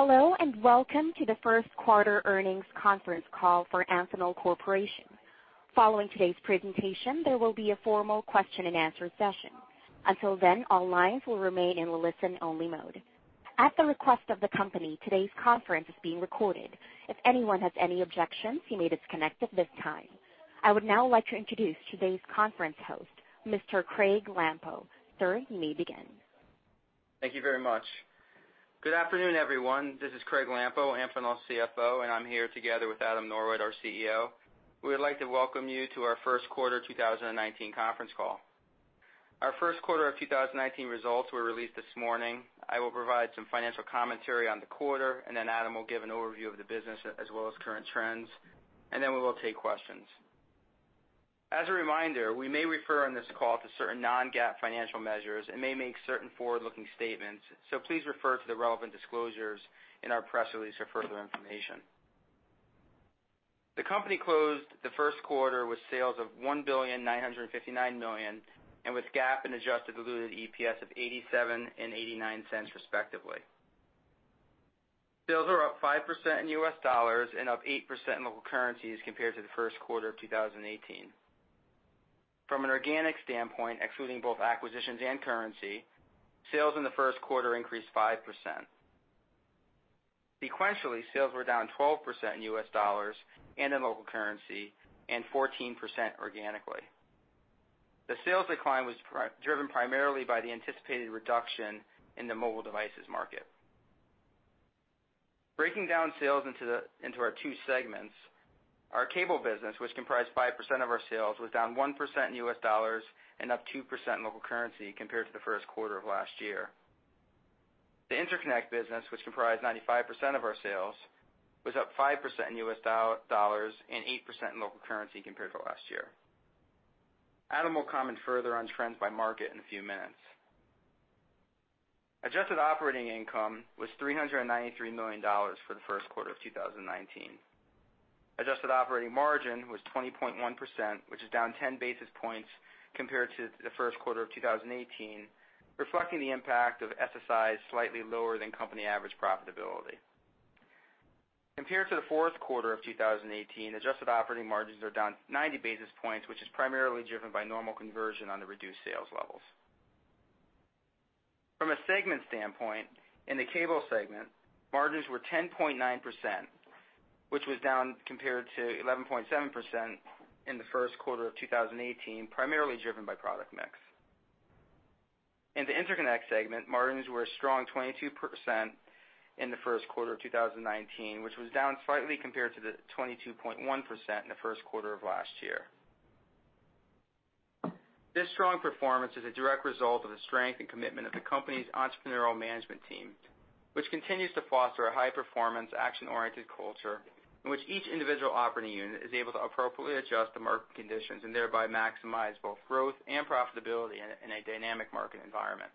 Hello, and welcome to the first quarter earnings conference call for Amphenol Corporation. Following today's presentation, there will be a formal question-and-answer session. Until then, all lines will remain in the listen-only mode. At the request of the company, today's conference is being recorded. If anyone has any objections, you may disconnect at this time. I would now like to introduce today's conference host, Mr. Craig Lampo. Sir, you may begin. Thank you very much. Good afternoon, everyone. This is Craig Lampo, Amphenol's CFO, and I'm here together with Adam Norwitt, our CEO. We would like to welcome you to our first quarter 2019 conference call. Our first quarter of 2019 results were released this morning. I will provide some financial commentary on the quarter, and then Adam will give an overview of the business as well as current trends, and then we will take questions. As a reminder, we may refer on this call to certain non-GAAP financial measures and may make certain forward-looking statements, so please refer to the relevant disclosures in our press release for further information. The company closed the first quarter with sales of $1,959,000,000 and with GAAP and adjusted diluted EPS of $0.87 and $0.89, respectively. Sales were up 5% in U.S. dollars and up 8% in local currencies compared to the first quarter of 2018. From an organic standpoint, excluding both acquisitions and currency, sales in the first quarter increased 5%. Sequentially, sales were down 12% in U.S. dollars and in local currency and 14% organically. The sales decline was driven primarily by the anticipated reduction in the mobile devices market. Breaking down sales into our two segments, our cable business, which comprised 5% of our sales, was down 1% in U.S. dollars and up 2% in local currency compared to the first quarter of last year. The interconnect business, which comprised 95% of our sales, was up 5% in U.S. dollars and 8% in local currency compared to last year. Adam will comment further on trends by market in a few minutes. Adjusted operating income was $393 million for the first quarter of 2019. Adjusted operating margin was 20.1%, which is down 10 basis points compared to the first quarter of 2018, reflecting the impact of SSI's slightly lower than company average profitability. Compared to the fourth quarter of 2018, adjusted operating margins are down 90 basis points, which is primarily driven by normal conversion on the reduced sales levels. From a segment standpoint, in the cable segment, margins were 10.9%, which was down compared to 11.7% in the first quarter of 2018, primarily driven by product mix. In the interconnect segment, margins were a strong 22% in the first quarter of 2019, which was down slightly compared to the 22.1% in the first quarter of last year. This strong performance is a direct result of the strength and commitment of the company's entrepreneurial management team, which continues to foster a high-performance, action-oriented culture in which each individual operating unit is able to appropriately adjust to market conditions and thereby maximize both growth and profitability in a dynamic market environment.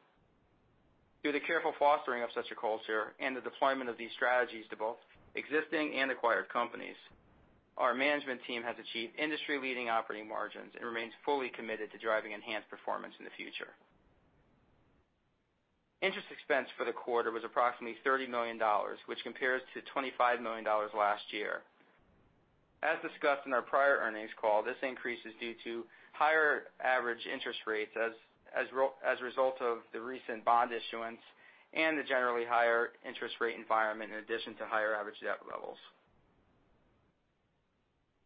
Through the careful fostering of such a culture and the deployment of these strategies to both existing and acquired companies, our management team has achieved industry-leading operating margins and remains fully committed to driving enhanced performance in the future. Interest expense for the quarter was approximately $30 million, which compares to $25 million last year. As discussed in our prior earnings call, this increase is due to higher average interest rates as a result of the recent bond issuance and the generally higher interest rate environment, in addition to higher average debt levels.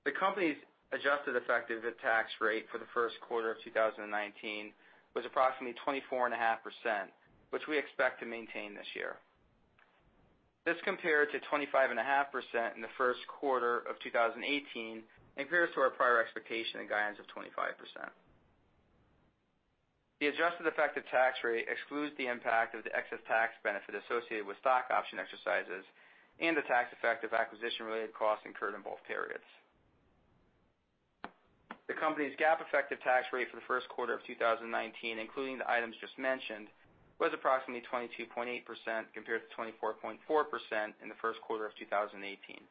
The company's adjusted effective tax rate for the first quarter of 2019 was approximately 24.5%, which we expect to maintain this year. This, compared to 25.5% in the first quarter of 2018, compares to our prior expectation and guidance of 25%. The adjusted effective tax rate excludes the impact of the excess tax benefit associated with stock option exercises and the tax effective acquisition-related costs incurred in both periods. The company's GAAP effective tax rate for the first quarter of 2019, including the items just mentioned, was approximately 22.8% compared to 24.4% in the first quarter of 2018.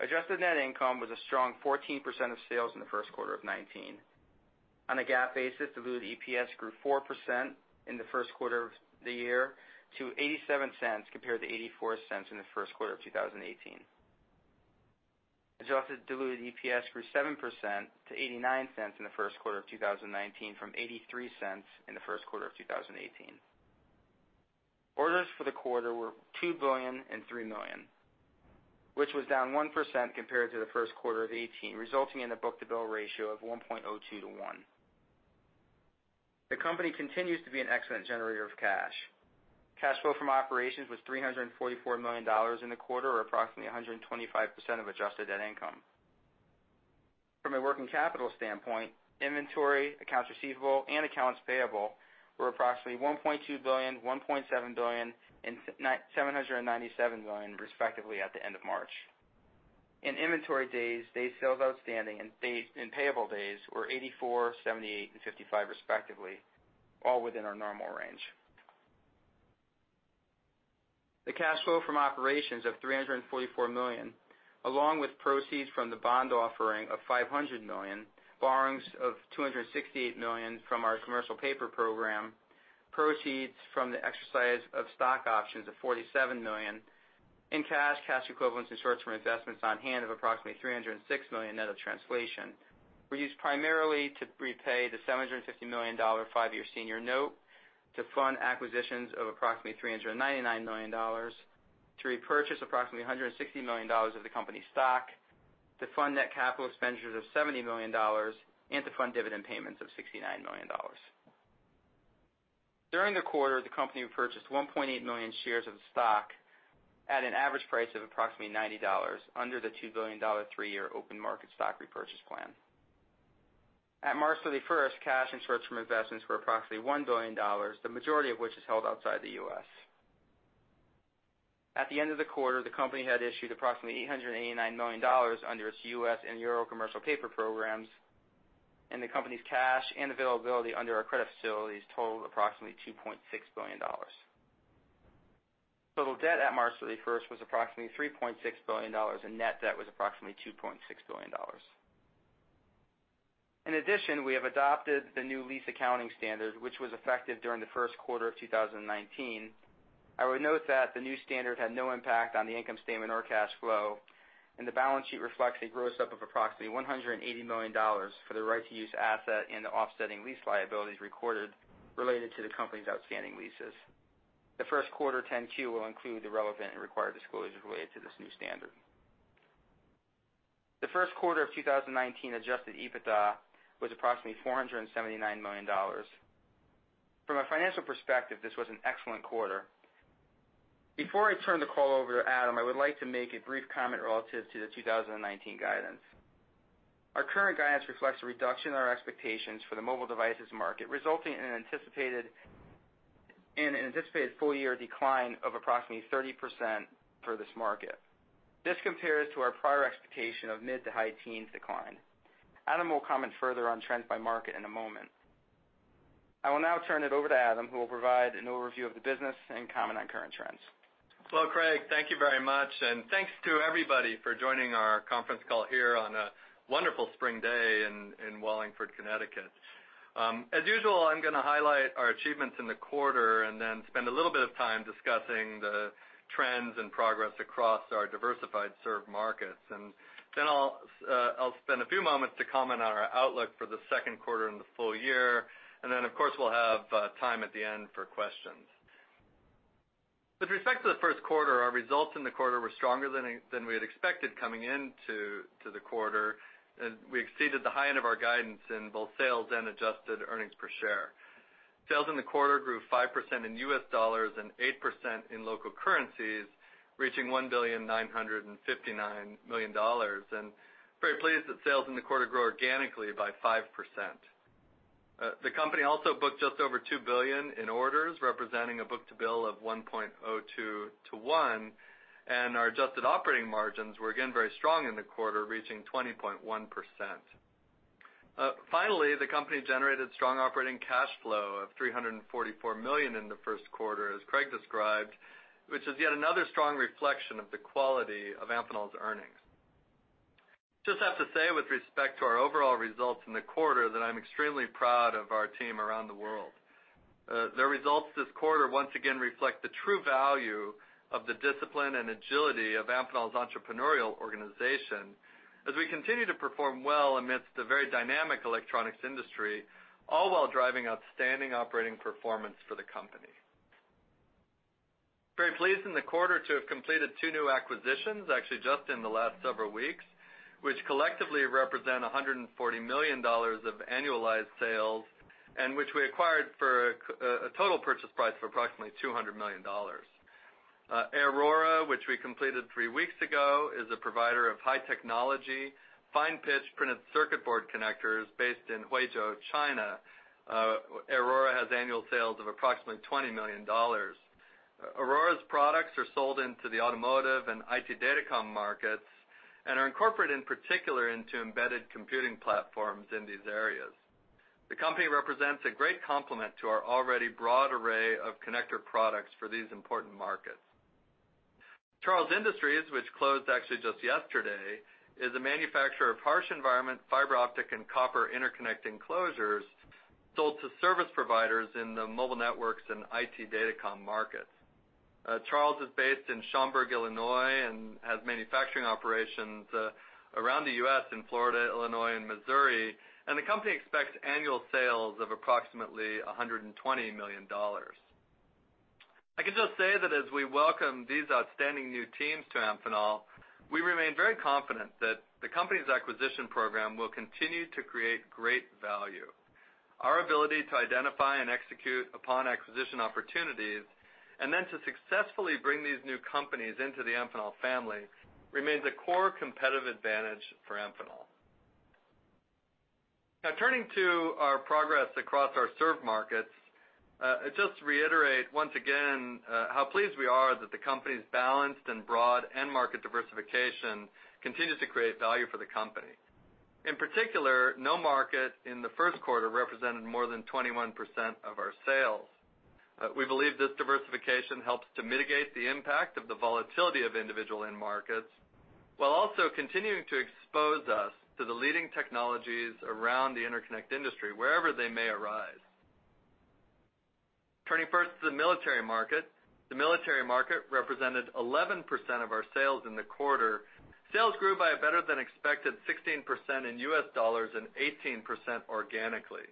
Adjusted net income was a strong 14% of sales in the first quarter of 2019. On a GAAP basis, diluted EPS grew 4% in the first quarter of the year to $0.87 compared to $0.84 in the first quarter of 2018. Adjusted diluted EPS grew 7% to 89 cents in the first quarter of 2019 from 83 cents in the first quarter of 2018. Orders for the quarter were $2 billion and $3 million, which was down 1% compared to the first quarter of 2018, resulting in a book-to-bill ratio of 1.02 to 1. The company continues to be an excellent generator of cash. Cash flow from operations was $344 million in the quarter, or approximately 125% of adjusted net income. From a working capital standpoint, inventory, accounts receivable, and accounts payable were approximately $1.2 billion, $1.7 billion, and $797 million, respectively, at the end of March. In inventory days, days sales outstanding and payable days were 84, 78, and 55, respectively, all within our normal range. The cash flow from operations of $344 million, along with proceeds from the bond offering of $500 million, borrowings of $268 million from our commercial paper program, proceeds from the exercise of stock options of $47 million, and cash, cash equivalents, and short-term investments on hand of approximately $306 million net of translation, were used primarily to repay the $750 million five-year senior note, to fund acquisitions of approximately $399 million, to repurchase approximately $160 million of the company's stock, to fund net capital expenditures of $70 million, and to fund dividend payments of $69 million. During the quarter, the company repurchased 1.8 million shares of the stock at an average price of approximately $90, under the $2 billion three-year open market stock repurchase plan. At March 31st, cash and short-term investments were approximately $1 billion, the majority of which is held outside the U.S. At the end of the quarter, the company had issued approximately $889 million under its U.S. and Euro commercial paper programs, and the company's cash and availability under our credit facilities totaled approximately $2.6 billion. Total debt at March 31st was approximately $3.6 billion, and net debt was approximately $2.6 billion. In addition, we have adopted the new lease accounting standard, which was effective during the first quarter of 2019. I would note that the new standard had no impact on the income statement or cash flow, and the balance sheet reflects a gross up of approximately $180 million for the right-of-use asset and the offsetting lease liabilities recorded related to the company's outstanding leases. The first quarter 10-Q will include the relevant and required disclosures related to this new standard. The first quarter of 2019 Adjusted EBITDA was approximately $479 million. From a financial perspective, this was an excellent quarter. Before I turn the call over to Adam, I would like to make a brief comment relative to the 2019 guidance. Our current guidance reflects a reduction in our expectations for the mobile devices market, resulting in an anticipated full-year decline of approximately 30% for this market. This compares to our prior expectation of mid- to high-teens decline. Adam will comment further on trends by market in a moment. I will now turn it over to Adam, who will provide an overview of the business and comment on current trends. Hello, Craig. Thank you very much, and thanks to everybody for joining our conference call here on a wonderful spring day in Wallingford, Connecticut. As usual, I'm going to highlight our achievements in the quarter and then spend a little bit of time discussing the trends and progress across our diversified served markets. And then I'll spend a few moments to comment on our outlook for the second quarter and the full year, and then, of course, we'll have time at the end for questions. With respect to the first quarter, our results in the quarter were stronger than we had expected coming into the quarter, and we exceeded the high end of our guidance in both sales and adjusted earnings per share. Sales in the quarter grew 5% in U.S. dollars and 8% in local currencies, reaching $1,959 million, and I'm very pleased that sales in the quarter grew organically by 5%. The company also booked just over $2 billion in orders, representing a book-to-bill of 1.02 to 1, and our adjusted operating margins were, again, very strong in the quarter, reaching 20.1%. Finally, the company generated strong operating cash flow of $344 million in the first quarter, as Craig described, which is yet another strong reflection of the quality of Amphenol's earnings. Just have to say, with respect to our overall results in the quarter, that I'm extremely proud of our team around the world. Their results this quarter once again reflect the true value of the discipline and agility of Amphenol's entrepreneurial organization, as we continue to perform well amidst the very dynamic electronics industry, all while driving outstanding operating performance for the company. Very pleased in the quarter to have completed two new acquisitions, actually just in the last several weeks, which collectively represent $140 million of annualized sales, and which we acquired for a total purchase price of approximately $200 million. Aorora, which we completed three weeks ago, is a provider of high-technology fine-pitch printed circuit board connectors based in Huizhou, China. Aorora has annual sales of approximately $20 million. Aorora's products are sold into the automotive and IT datacom markets and are incorporated, in particular, into embedded computing platforms in these areas. The company represents a great complement to our already broad array of connector products for these important markets. Charles Industries, which closed actually just yesterday, is a manufacturer of harsh environment fiber optic and copper interconnect enclosures sold to service providers in the mobile networks and IT datacom markets. Charles is based in Schaumburg, Illinois, and has manufacturing operations around the U.S. in Florida, Illinois, and Missouri, and the company expects annual sales of approximately $120 million. I can just say that as we welcome these outstanding new teams to Amphenol, we remain very confident that the company's acquisition program will continue to create great value. Our ability to identify and execute upon acquisition opportunities, and then to successfully bring these new companies into the Amphenol family, remains a core competitive advantage for Amphenol. Now, turning to our progress across our served markets, I just reiterate once again how pleased we are that the company's balanced and broad end-market diversification continues to create value for the company. In particular, no market in the first quarter represented more than 21% of our sales. We believe this diversification helps to mitigate the impact of the volatility of individual end markets while also continuing to expose us to the leading technologies around the interconnect industry, wherever they may arise. Turning first to the military market, the military market represented 11% of our sales in the quarter. Sales grew by a better-than-expected 16% in U.S. dollars and 18% organically.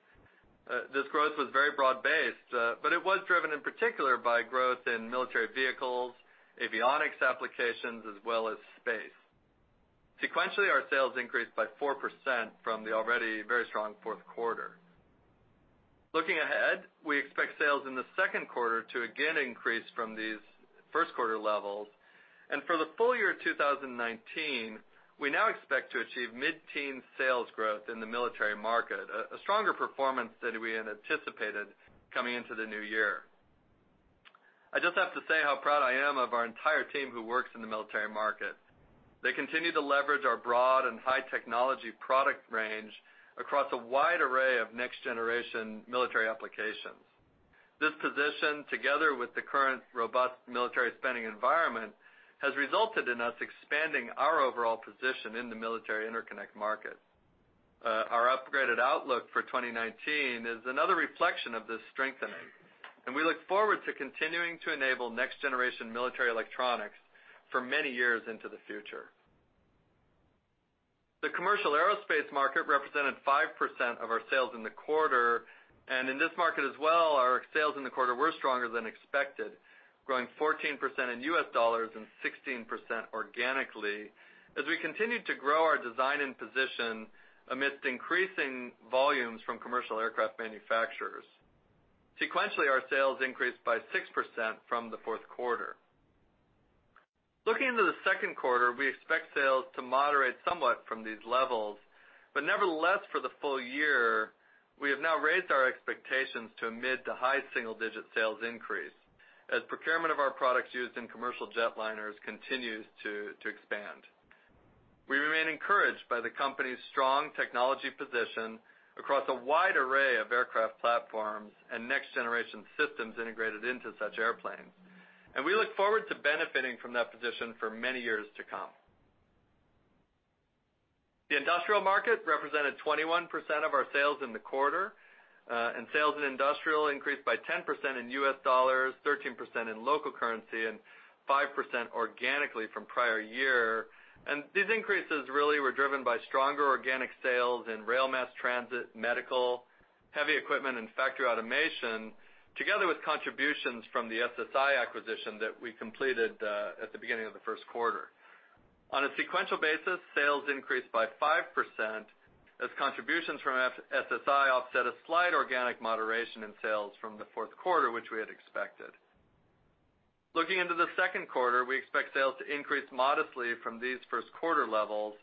This growth was very broad-based, but it was driven in particular by growth in military vehicles, avionics applications, as well as space. Sequentially, our sales increased by 4% from the already very strong fourth quarter. Looking ahead, we expect sales in the second quarter to again increase from these first quarter levels, and for the full year of 2019, we now expect to achieve mid-teens sales growth in the military market, a stronger performance than we had anticipated coming into the new year. I just have to say how proud I am of our entire team who works in the military market. They continue to leverage our broad and high-technology product range across a wide array of next-generation military applications. This position, together with the current robust military spending environment, has resulted in us expanding our overall position in the military interconnect market. Our upgraded outlook for 2019 is another reflection of this strengthening, and we look forward to continuing to enable next-generation military electronics for many years into the future. The commercial aerospace market represented 5% of our sales in the quarter, and in this market as well, our sales in the quarter were stronger than expected, growing 14% in U.S. dollars and 16% organically, as we continued to grow our design and position amidst increasing volumes from commercial aircraft manufacturers. Sequentially, our sales increased by 6% from the fourth quarter. Looking into the second quarter, we expect sales to moderate somewhat from these levels, but nevertheless, for the full year, we have now raised our expectations to a mid to high single-digit sales increase, as procurement of our products used in commercial jetliners continues to expand. We remain encouraged by the company's strong technology position across a wide array of aircraft platforms and next-generation systems integrated into such airplanes, and we look forward to benefiting from that position for many years to come. The industrial market represented 21% of our sales in the quarter, and sales in industrial increased by 10% in U.S. dollars, 13% in local currency, and 5% organically from prior year. These increases really were driven by stronger organic sales in rail mass transit, medical, heavy equipment, and factory automation, together with contributions from the SSI acquisition that we completed at the beginning of the first quarter. On a sequential basis, sales increased by 5%, as contributions from SSI offset a slight organic moderation in sales from the fourth quarter, which we had expected. Looking into the second quarter, we expect sales to increase modestly from these first quarter levels,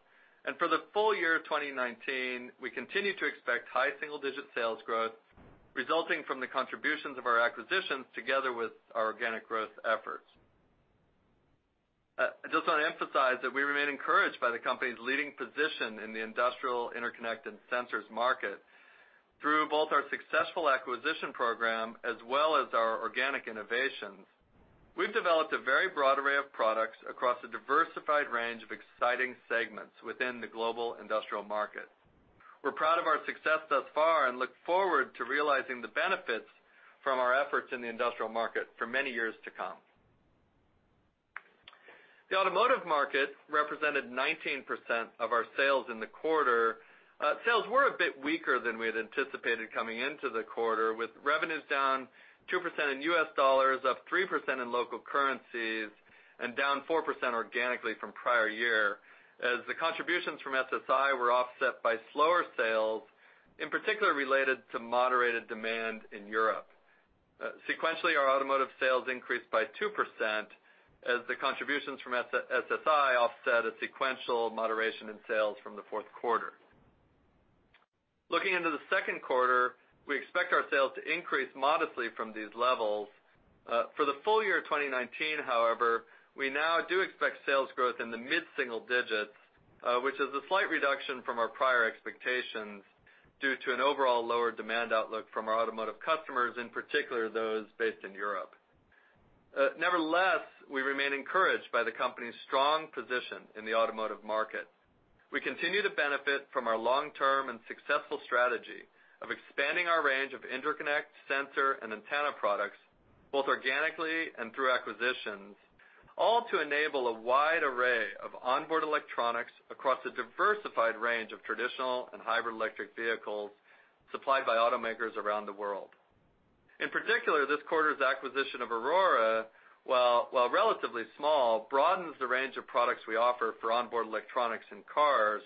and for the full year of 2019, we continue to expect high single-digit sales growth resulting from the contributions of our acquisitions together with our organic growth efforts. I just want to emphasize that we remain encouraged by the company's leading position in the industrial interconnect and sensors market. Through both our successful acquisition program as well as our organic innovations, we've developed a very broad array of products across a diversified range of exciting segments within the global industrial market. We're proud of our success thus far and look forward to realizing the benefits from our efforts in the industrial market for many years to come. The automotive market represented 19% of our sales in the quarter. Sales were a bit weaker than we had anticipated coming into the quarter, with revenues down 2% in U.S. dollars, up 3% in local currencies, and down 4% organically from prior year, as the contributions from SSI were offset by slower sales, in particular related to moderated demand in Europe. Sequentially, our automotive sales increased by 2%, as the contributions from SSI offset a sequential moderation in sales from the fourth quarter. Looking into the second quarter, we expect our sales to increase modestly from these levels. For the full year of 2019, however, we now do expect sales growth in the mid-single digits, which is a slight reduction from our prior expectations due to an overall lower demand outlook from our automotive customers, in particular those based in Europe. Nevertheless, we remain encouraged by the company's strong position in the automotive market. We continue to benefit from our long-term and successful strategy of expanding our range of interconnect, sensor, and antenna products, both organically and through acquisitions, all to enable a wide array of onboard electronics across a diversified range of traditional and hybrid electric vehicles supplied by automakers around the world. In particular, this quarter's acquisition of Aorora, while relatively small, broadens the range of products we offer for onboard electronics and cars,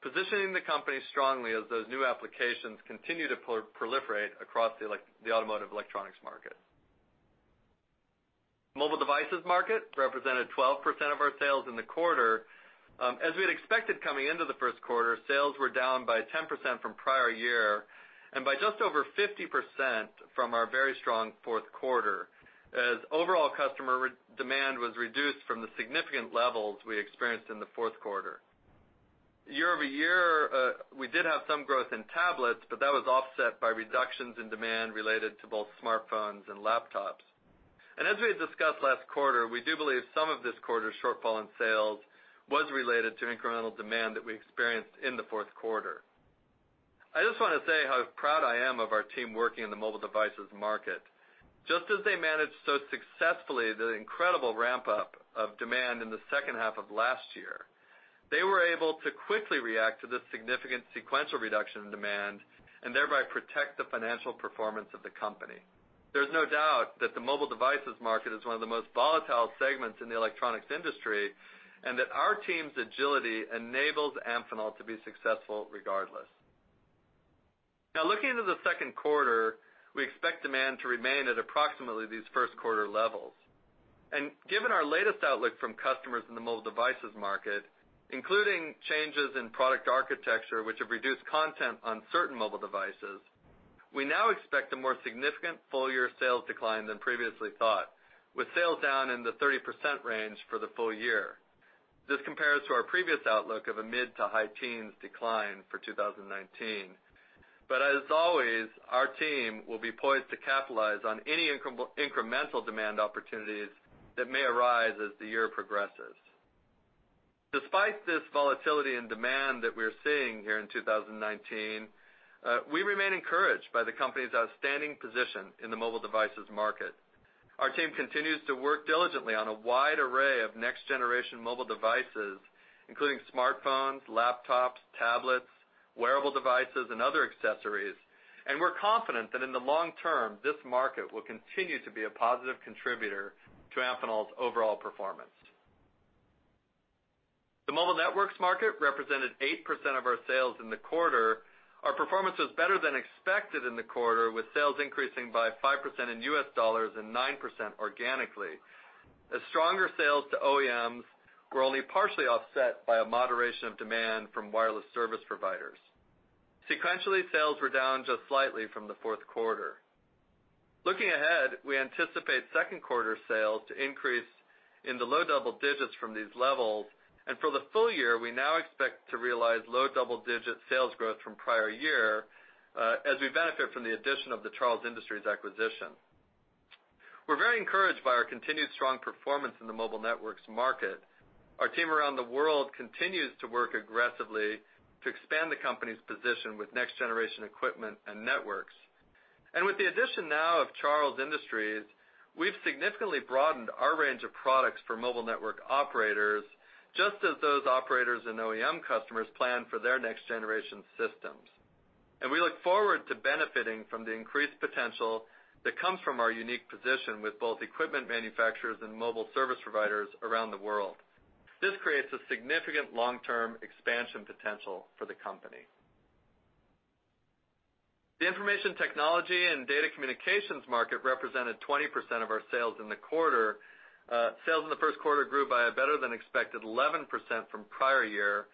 positioning the company strongly as those new applications continue to proliferate across the automotive electronics market. The mobile devices market represented 12% of our sales in the quarter. As we had expected coming into the first quarter, sales were down by 10% from prior year and by just over 50% from our very strong fourth quarter, as overall customer demand was reduced from the significant levels we experienced in the fourth quarter. Year-over-year, we did have some growth in tablets, but that was offset by reductions in demand related to both smartphones and laptops. As we had discussed last quarter, we do believe some of this quarter's shortfall in sales was related to incremental demand that we experienced in the fourth quarter. I just want to say how proud I am of our team working in the mobile devices market. Just as they managed so successfully the incredible ramp-up of demand in the second half of last year, they were able to quickly react to this significant sequential reduction in demand and thereby protect the financial performance of the company. There's no doubt that the mobile devices market is one of the most volatile segments in the electronics industry and that our team's agility enables Amphenol to be successful regardless. Now, looking into the second quarter, we expect demand to remain at approximately these first quarter levels. Given our latest outlook from customers in the mobile devices market, including changes in product architecture which have reduced content on certain mobile devices, we now expect a more significant full-year sales decline than previously thought, with sales down in the 30% range for the full year. This compares to our previous outlook of a mid- to high-teens decline for 2019. As always, our team will be poised to capitalize on any incremental demand opportunities that may arise as the year progresses. Despite this volatility in demand that we are seeing here in 2019, we remain encouraged by the company's outstanding position in the mobile devices market. Our team continues to work diligently on a wide array of next-generation mobile devices, including smartphones, laptops, tablets, wearable devices, and other accessories, and we're confident that in the long term, this market will continue to be a positive contributor to Amphenol's overall performance. The mobile networks market represented 8% of our sales in the quarter. Our performance was better than expected in the quarter, with sales increasing by 5% in U.S. dollars and 9% organically, as stronger sales to OEMs were only partially offset by a moderation of demand from wireless service providers. Sequentially, sales were down just slightly from the fourth quarter. Looking ahead, we anticipate second quarter sales to increase in the low double digits from these levels, and for the full year, we now expect to realize low double-digit sales growth from prior year as we benefit from the addition of the Charles Industries acquisition. We're very encouraged by our continued strong performance in the mobile networks market. Our team around the world continues to work aggressively to expand the company's position with next-generation equipment and networks. With the addition now of Charles Industries, we've significantly broadened our range of products for mobile network operators, just as those operators and OEM customers plan for their next-generation systems. We look forward to benefiting from the increased potential that comes from our unique position with both equipment manufacturers and mobile service providers around the world. This creates a significant long-term expansion potential for the company. The information technology and data communications market represented 20% of our sales in the quarter. Sales in the first quarter grew by a better-than-expected 11% from prior year,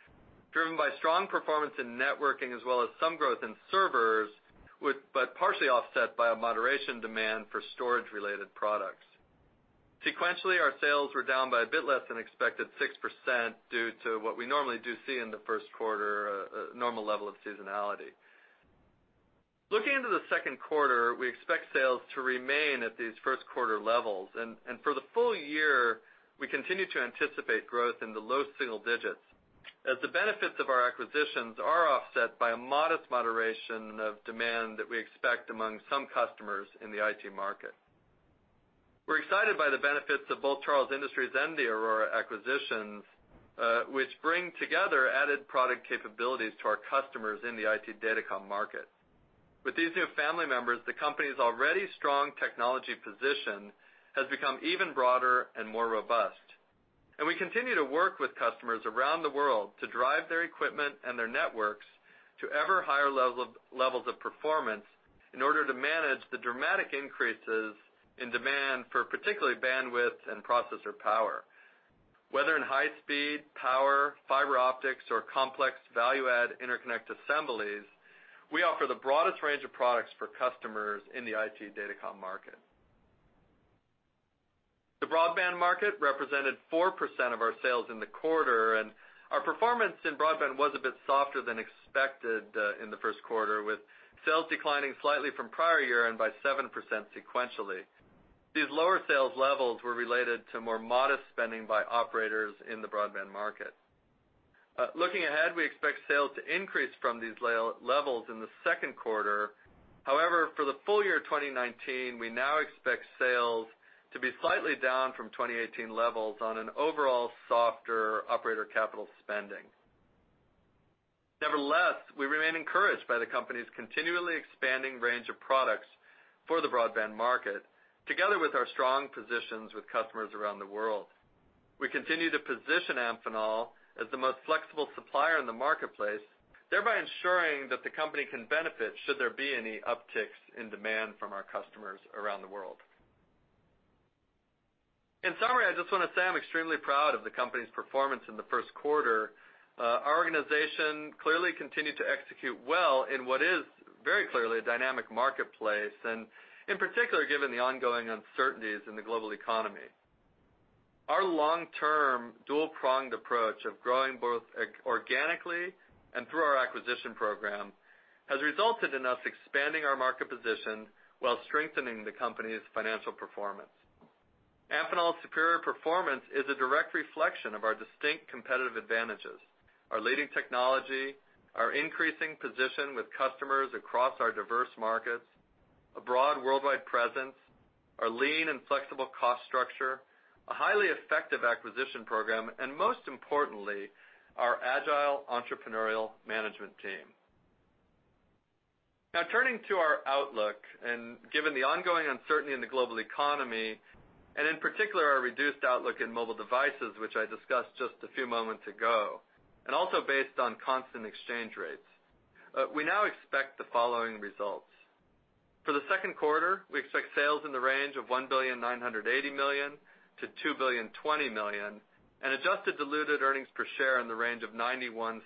driven by strong performance in networking as well as some growth in servers, but partially offset by a moderation demand for storage-related products. Sequentially, our sales were down by a bit less than expected 6% due to what we normally do see in the first quarter, a normal level of seasonality. Looking into the second quarter, we expect sales to remain at these first quarter levels, and for the full year, we continue to anticipate growth in the low single digits, as the benefits of our acquisitions are offset by a modest moderation of demand that we expect among some customers in the IT market. We're excited by the benefits of both Charles Industries and the Aorora acquisitions, which bring together added product capabilities to our customers in the IT datacom market. With these new family members, the company's already strong technology position has become even broader and more robust. We continue to work with customers around the world to drive their equipment and their networks to ever-higher levels of performance in order to manage the dramatic increases in demand for particularly bandwidth and processor power. Whether in high-speed power, fiber optics, or complex value-add interconnect assemblies, we offer the broadest range of products for customers in the IT datacom market. The broadband market represented 4% of our sales in the quarter, and our performance in broadband was a bit softer than expected in the first quarter, with sales declining slightly from prior year and by 7% sequentially. These lower sales levels were related to more modest spending by operators in the broadband market. Looking ahead, we expect sales to increase from these levels in the second quarter. However, for the full year of 2019, we now expect sales to be slightly down from 2018 levels on an overall softer operator capital spending. Nevertheless, we remain encouraged by the company's continually expanding range of products for the broadband market, together with our strong positions with customers around the world. We continue to position Amphenol as the most flexible supplier in the marketplace, thereby ensuring that the company can benefit should there be any upticks in demand from our customers around the world. In summary, I just want to say I'm extremely proud of the company's performance in the first quarter. Our organization clearly continued to execute well in what is very clearly a dynamic marketplace, and in particular given the ongoing uncertainties in the global economy. Our long-term dual-pronged approach of growing both organically and through our acquisition program has resulted in us expanding our market position while strengthening the company's financial performance. Amphenol's superior performance is a direct reflection of our distinct competitive advantages: our leading technology, our increasing position with customers across our diverse markets, a broad worldwide presence, our lean and flexible cost structure, a highly effective acquisition program, and most importantly, our agile entrepreneurial management team. Now, turning to our outlook, and given the ongoing uncertainty in the global economy, and in particular our reduced outlook in mobile devices, which I discussed just a few moments ago, and also based on constant exchange rates, we now expect the following results. For the second quarter, we expect sales in the range of $1.98 billion-$2.02 billion, and adjusted diluted earnings per share in the range of $0.91-$0.93.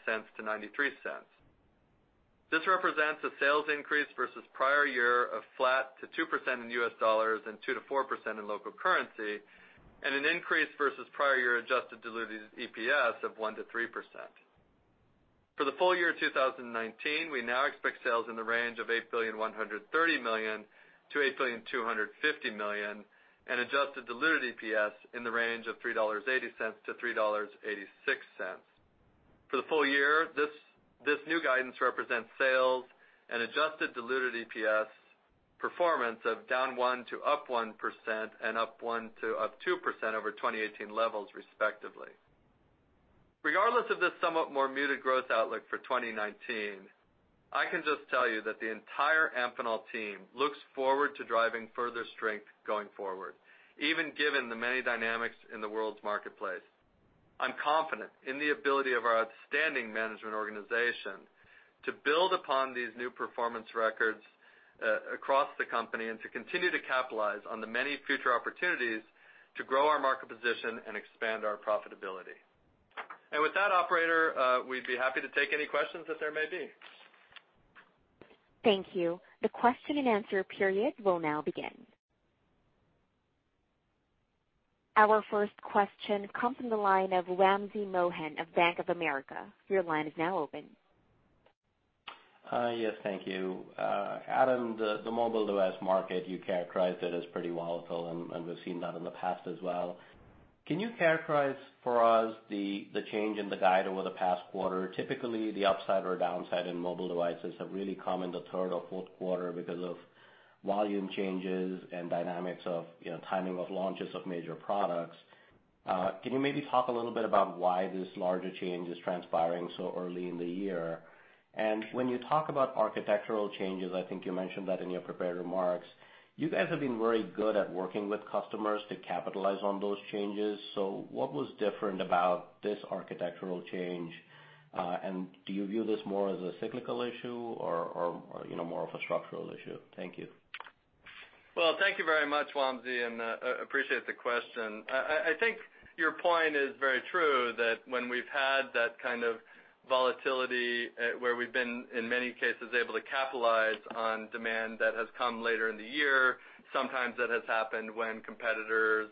This represents a sales increase versus prior year of flat to 2% in U.S. dollars and 2%-4% in local currency, and an increase versus prior year adjusted diluted EPS of 1%-3%. For the full year of 2019, we now expect sales in the range of $8.13 billion-$8.25 billion, and adjusted diluted EPS in the range of $3.80-$3.86. For the full year, this new guidance represents sales and adjusted diluted EPS performance of down 1% to up 1% and up 1% to up 2% over 2018 levels, respectively. Regardless of this somewhat more muted growth outlook for 2019, I can just tell you that the entire Amphenol team looks forward to driving further strength going forward, even given the many dynamics in the world's marketplace. I'm confident in the ability of our outstanding management organization to build upon these new performance records across the company and to continue to capitalize on the many future opportunities to grow our market position and expand our profitability. And with that, Operator, we'd be happy to take any questions that there may be. Thank you. The question and answer period will now begin. Our first question comes from the line of Wamsi Mohan of Bank of America. Your line is now open. Yes, thank you. Adam, the mobile device market, you characterized it as pretty volatile, and we've seen that in the past as well. Can you characterize for us the change in the guide over the past quarter? Typically, the upside or downside in mobile devices have really come in the third or fourth quarter because of volume changes and dynamics of timing of launches of major products. Can you maybe talk a little bit about why this larger change is transpiring so early in the year? And when you talk about architectural changes, I think you mentioned that in your prepared remarks, you guys have been very good at working with customers to capitalize on those changes. So what was different about this architectural change? And do you view this more as a cyclical issue or more of a structural issue? Thank you. Well, thank you very much, Wamsi, and I appreciate the question. I think your point is very true that when we've had that kind of volatility where we've been, in many cases, able to capitalize on demand that has come later in the year, sometimes that has happened when competitors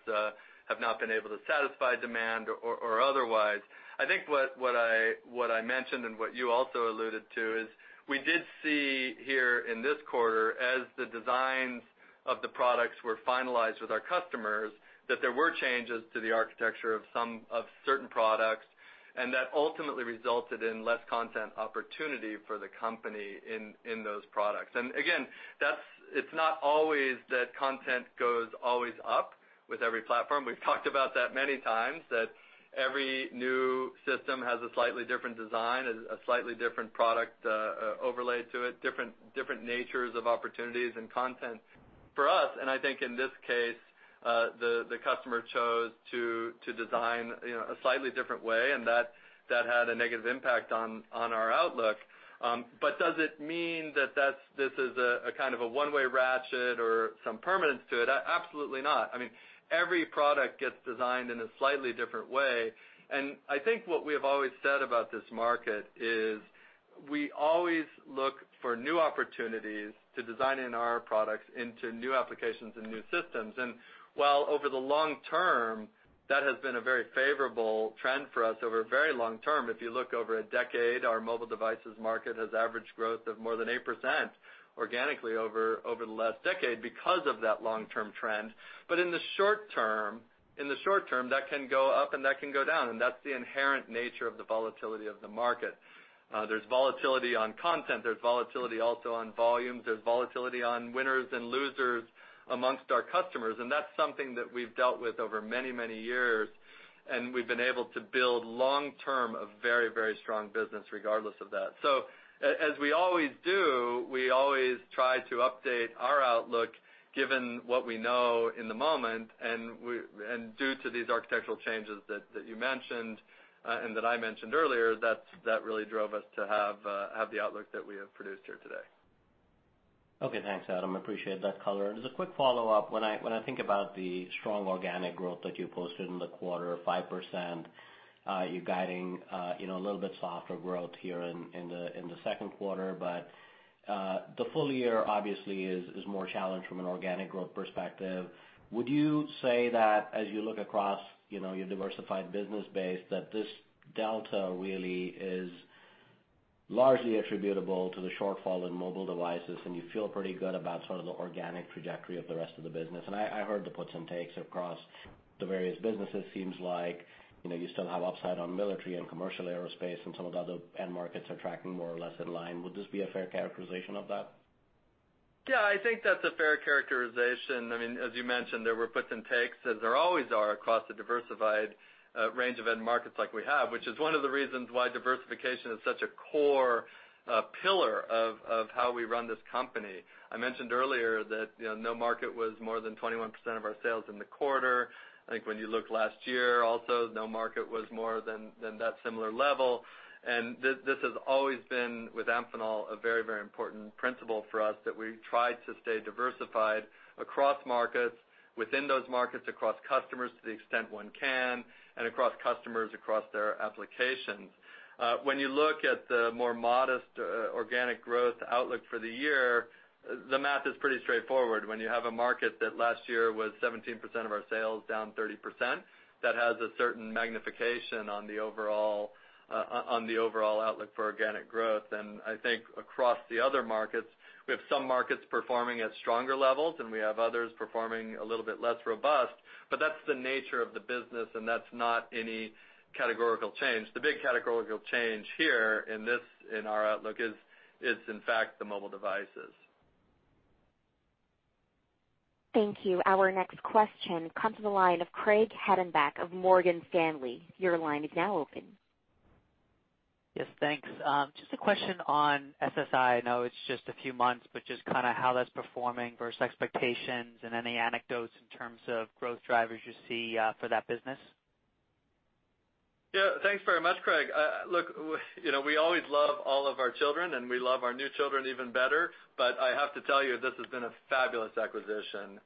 have not been able to satisfy demand or otherwise. I think what I mentioned and what you also alluded to is we did see here in this quarter, as the designs of the products were finalized with our customers, that there were changes to the architecture of certain products and that ultimately resulted in less content opportunity for the company in those products. Again, it's not always that content goes always up with every platform. We've talked about that many times, that every new system has a slightly different design, a slightly different product overlay to it, different natures of opportunities and content. For us, and I think in this case, the customer chose to design a slightly different way, and that had a negative impact on our outlook. But does it mean that this is a kind of a one-way ratchet or some permanence to it? Absolutely not. I mean, every product gets designed in a slightly different way. And I think what we have always said about this market is we always look for new opportunities to design our products into new applications and new systems. While over the long term, that has been a very favorable trend for us over a very long term, if you look over a decade, our mobile devices market has averaged growth of more than 8% organically over the last decade because of that long-term trend. But in the short term, that can go up and that can go down, and that's the inherent nature of the volatility of the market. There's volatility on content. There's volatility also on volumes. There's volatility on winners and losers amongst our customers, and that's something that we've dealt with over many, many years, and we've been able to build long-term a very, very strong business regardless of that. As we always do, we always try to update our outlook given what we know in the moment, and due to these architectural changes that you mentioned and that I mentioned earlier, that really drove us to have the outlook that we have produced here today. Okay, thanks, Adam. Appreciate the color. As a quick follow-up, when I think about the strong organic growth that you posted in the quarter, 5%, you're guiding a little bit softer growth here in the second quarter, but the full year, obviously, is more challenged from an organic growth perspective. Would you say that as you look across your diversified business base, that this delta really is largely attributable to the shortfall in mobile devices, and you feel pretty good about sort of the organic trajectory of the rest of the business? And I heard the puts and takes across the various businesses. Seems like you still have upside on military and commercial aerospace, and some of the other end markets are tracking more or less in line. Would this be a fair characterization of that? Yeah, I think that's a fair characterization. I mean, as you mentioned, there were puts and takes, as there always are across the diversified range of end markets like we have, which is one of the reasons why diversification is such a core pillar of how we run this company. I mentioned earlier that no market was more than 21% of our sales in the quarter. I think when you look last year also, no market was more than that similar level. And this has always been, with Amphenol, a very, very important principle for us that we try to stay diversified across markets, within those markets, across customers to the extent one can, and across customers across their applications. When you look at the more modest organic growth outlook for the year, the math is pretty straightforward. When you have a market that last year was 17% of our sales, down 30%, that has a certain magnification on the overall outlook for organic growth. I think across the other markets, we have some markets performing at stronger levels, and we have others performing a little bit less robust, but that's the nature of the business, and that's not any categorical change. The big categorical change here in our outlook is, in fact, the mobile devices. Thank you. Our next question comes from the line of Craig Hettenbach of Morgan Stanley. Your line is now open. Yes, thanks. Just a question on SSI. I know it's just a few months, but just kind of how that's performing versus expectations and any anecdotes in terms of growth drivers you see for that business? Yeah, thanks very much, Craig. Look, we always love all of our children, and we love our new children even better, but I have to tell you this has been a fabulous acquisition.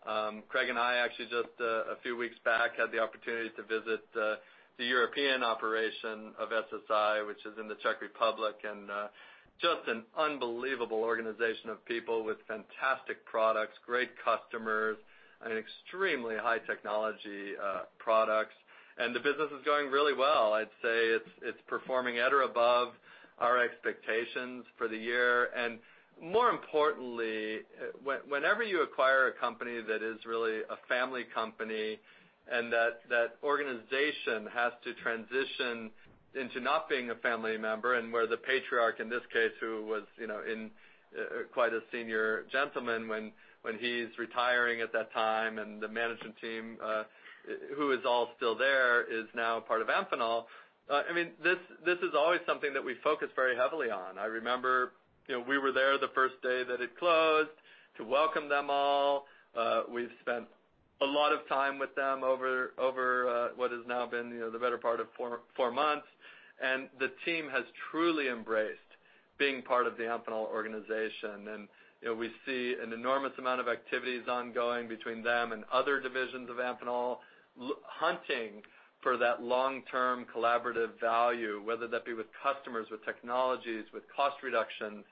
Craig and I actually just a few weeks back had the opportunity to visit the European operation of SSI, which is in the Czech Republic, and just an unbelievable organization of people with fantastic products, great customers, and extremely high-technology products. And the business is going really well. I'd say it's performing at or above our expectations for the year. More importantly, whenever you acquire a company that is really a family company and that organization has to transition into not being a family member and where the patriarch, in this case, who was quite a senior gentleman when he's retiring at that time and the management team, who is all still there, is now part of Amphenol, I mean, this is always something that we focus very heavily on. I remember we were there the first day that it closed to welcome them all. We've spent a lot of time with them over what has now been the better part of four months, and the team has truly embraced being part of the Amphenol organization. We see an enormous amount of activities ongoing between them and other divisions of Amphenol hunting for that long-term collaborative value, whether that be with customers, with technologies, with cost reductions,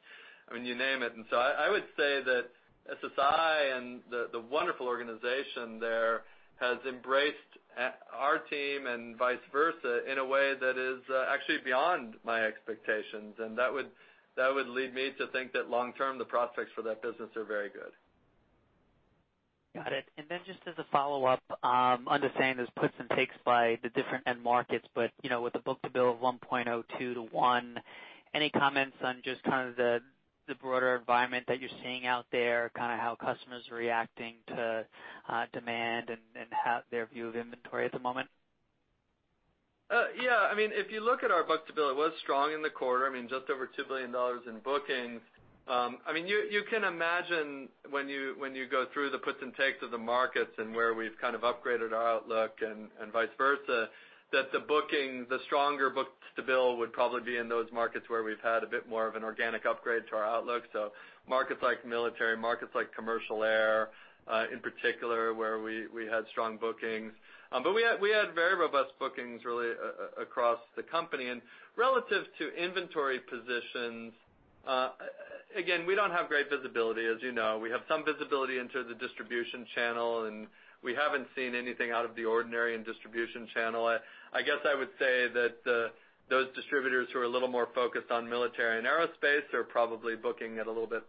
I mean, you name it. And so I would say that SSI and the wonderful organization there has embraced our team and vice versa in a way that is actually beyond my expectations, and that would lead me to think that long-term the prospects for that business are very good. Got it. Then just as a follow-up, understand there's puts and takes by the different end markets, but with the book-to-bill of 1.02-to-1, any comments on just kind of the broader environment that you're seeing out there, kind of how customers are reacting to demand and their view of inventory at the moment? Yeah, I mean, if you look at our book-to-bill, it was strong in the quarter, I mean, just over $2 billion in bookings. I mean, you can imagine when you go through the puts and takes of the markets and where we've kind of upgraded our outlook and vice versa, that the stronger book-to-bill would probably be in those markets where we've had a bit more of an organic upgrade to our outlook. So markets like military, markets like commercial air, in particular, where we had strong bookings. But we had very robust bookings really across the company. And relative to inventory positions, again, we don't have great visibility, as you know. We have some visibility into the distribution channel, and we haven't seen anything out of the ordinary in distribution channel. I guess I would say that those distributors who are a little more focused on military and aerospace are probably booking at a little bit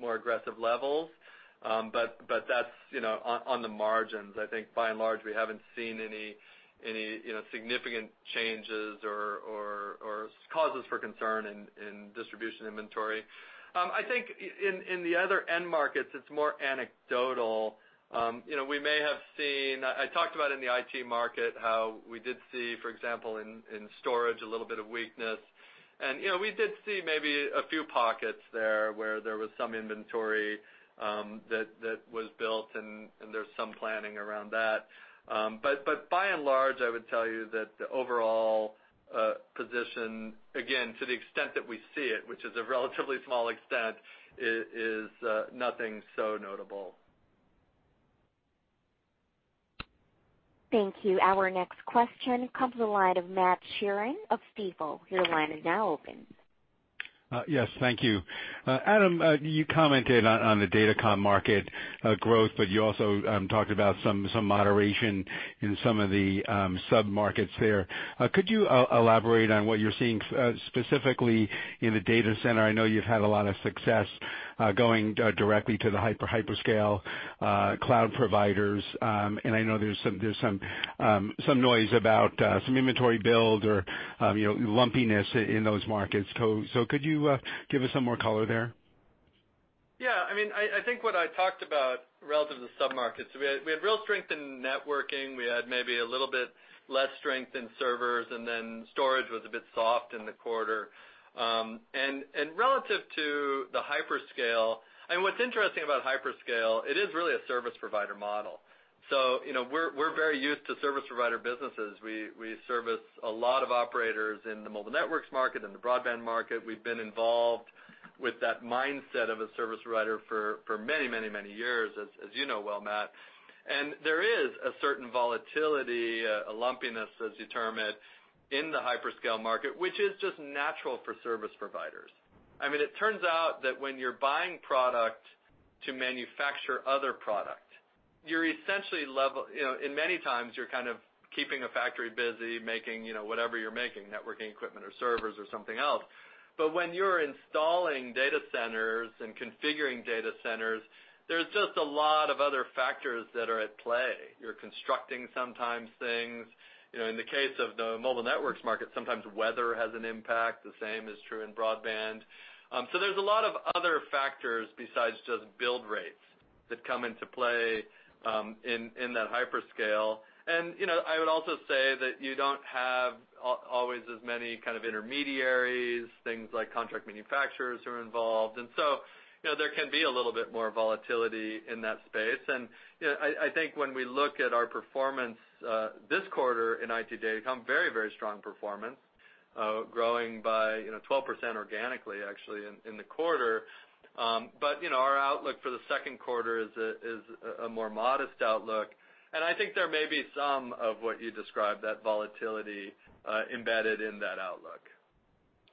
more aggressive levels, but that's on the margins. I think by and large we haven't seen any significant changes or causes for concern in distribution inventory. I think in the other end markets, it's more anecdotal. We may have seen. I talked about in the IT market how we did see, for example, in storage, a little bit of weakness. And we did see maybe a few pockets there where there was some inventory that was built, and there's some planning around that. But by and large, I would tell you that the overall position, again, to the extent that we see it, which is a relatively small extent, is nothing so notable. Thank you. Our next question comes from the line of Matt Sheerin of Stifel. Your line is now open. Yes, thank you. Adam, you commented on the Datacom market growth, but you also talked about some moderation in some of the sub-markets there. Could you elaborate on what you're seeing specifically in the data center? I know you've had a lot of success going directly to the hyperscale cloud providers, and I know there's some noise about some inventory build or lumpiness in those markets. So could you give us some more color there? Yeah, I mean, I think what I talked about relative to the sub-markets, we had real strength in networking. We had maybe a little bit less strength in servers, and then storage was a bit soft in the quarter. And relative to the hyperscale, I mean, what's interesting about hyperscale, it is really a service provider model. So we're very used to service provider businesses. We service a lot of operators in the mobile networks market and the broadband market. We've been involved with that mindset of a service provider for many, many, many years, as you know well, Matt. And there is a certain volatility, a lumpiness, as you term it, in the hyperscale market, which is just natural for service providers. I mean, it turns out that when you're buying product to manufacture other product, you're essentially level in many times, you're kind of keeping a factory busy making whatever you're making, networking equipment or servers or something else. But when you're installing data centers and configuring data centers, there's just a lot of other factors that are at play. You're constructing sometimes things. In the case of the mobile networks market, sometimes weather has an impact. The same is true in broadband. So there's a lot of other factors besides just build rates that come into play in that hyperscale. And I would also say that you don't have always as many kind of intermediaries, things like contract manufacturers who are involved. And so there can be a little bit more volatility in that space. I think when we look at our performance this quarter in IT data, we've had very, very strong performance, growing by 12% organically, actually, in the quarter. Our outlook for the second quarter is a more modest outlook. I think there may be some of what you described, that volatility embedded in that outlook.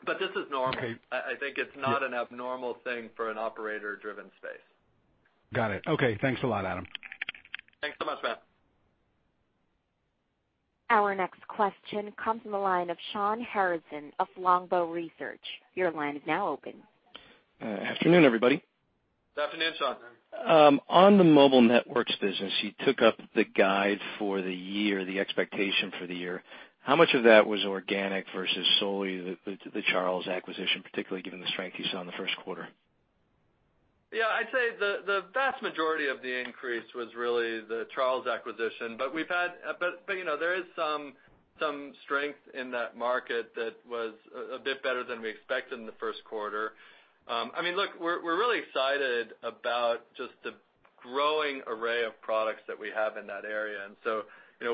This is normal. I think it's not an abnormal thing for an operator-driven space. Got it. Okay, thanks a lot, Adam. Thanks so much, Matt. Our next question comes from the line of Shawn Harrison of Longbow Research. Your line is now open. Afternoon, everybody. Good afternoon, Sean. On the mobile networks business, you took up the guidance for the year, the expectation for the year. How much of that was organic versus solely the Charles acquisition, particularly given the strength you saw in the first quarter? Yeah, I'd say the vast majority of the increase was really the Charles acquisition, but we've had, but there is some strength in that market that was a bit better than we expected in the first quarter. I mean, look, we're really excited about just the growing array of products that we have in that area. And so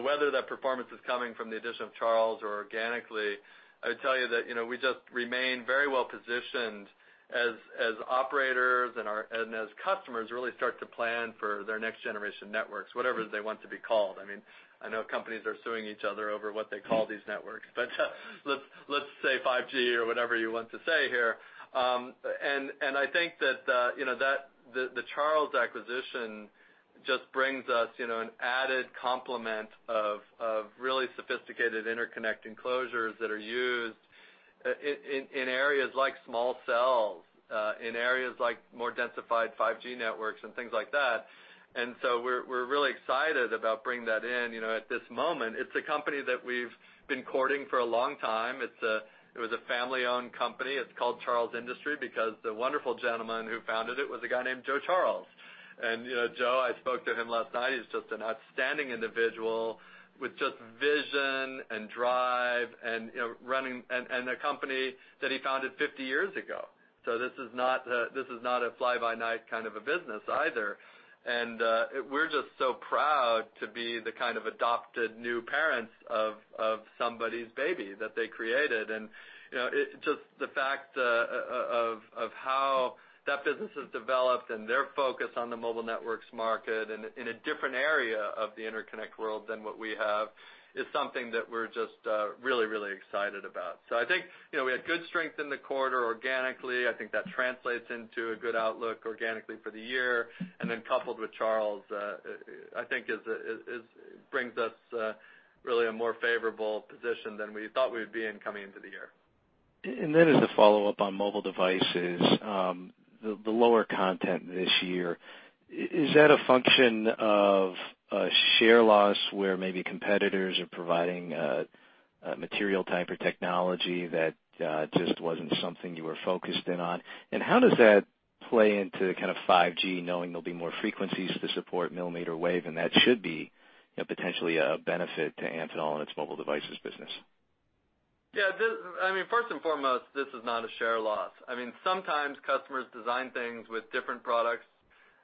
whether that performance is coming from the addition of Charles or organically, I would tell you that we just remain very well positioned as operators and as customers really start to plan for their next generation networks, whatever they want to be called. I mean, I know companies are suing each other over what they call these networks, but let's say 5G or whatever you want to say here. I think that the Charles acquisition just brings us an added complement of really sophisticated interconnect enclosures that are used in areas like small cells, in areas like more densified 5G networks and things like that. So we're really excited about bringing that in at this moment. It's a company that we've been courting for a long time. It was a family-owned company. It's called Charles Industries because the wonderful gentleman who founded it was a guy named Joe Charles. And Joe, I spoke to him last night. He's just an outstanding individual with just vision and drive and running and a company that he founded 50 years ago. This is not a fly-by-night kind of a business either. And we're just so proud to be the kind of adopted new parents of somebody's baby that they created. And just the fact of how that business has developed and their focus on the mobile networks market in a different area of the interconnect world than what we have is something that we're just really, really excited about. So I think we had good strength in the quarter organically. I think that translates into a good outlook organically for the year. And then coupled with Charles, I think it brings us really a more favorable position than we thought we would be in coming into the year. And then as a follow-up on mobile devices, the lower content this year, is that a function of share loss where maybe competitors are providing material type or technology that just wasn't something you were focused in on? And how does that play into kind of 5G, knowing there'll be more frequencies to support millimeter wave, and that should be potentially a benefit to Amphenol and its mobile devices business? Yeah, I mean, first and foremost, this is not a share loss. I mean, sometimes customers design things with different products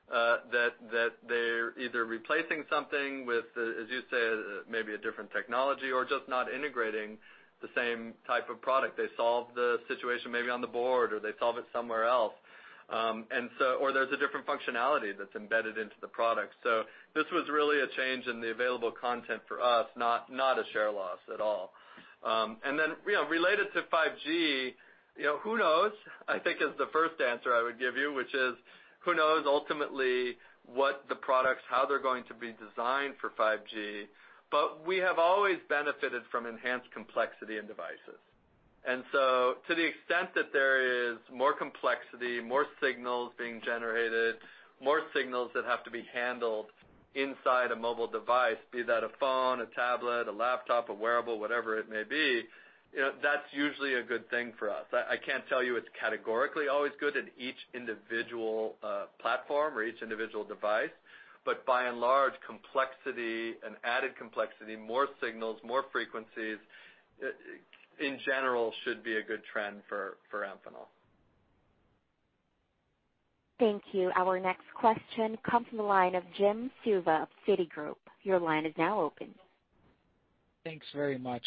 that they're either replacing something with, as you say, maybe a different technology or just not integrating the same type of product. They solve the situation maybe on the board or they solve it somewhere else, or there's a different functionality that's embedded into the product. So this was really a change in the available content for us, not a share loss at all. And then related to 5G, who knows, I think is the first answer I would give you, which is who knows ultimately what the products, how they're going to be designed for 5G, but we have always benefited from enhanced complexity in devices. To the extent that there is more complexity, more signals being generated, more signals that have to be handled inside a mobile device, be that a phone, a tablet, a laptop, a wearable, whatever it may be, that's usually a good thing for us. I can't tell you it's categorically always good in each individual platform or each individual device, but by and large, complexity and added complexity, more signals, more frequencies in general should be a good trend for Amphenol. Thank you. Our next question comes from the line of Jim Suva of Citigroup. Your line is now open. Thanks very much.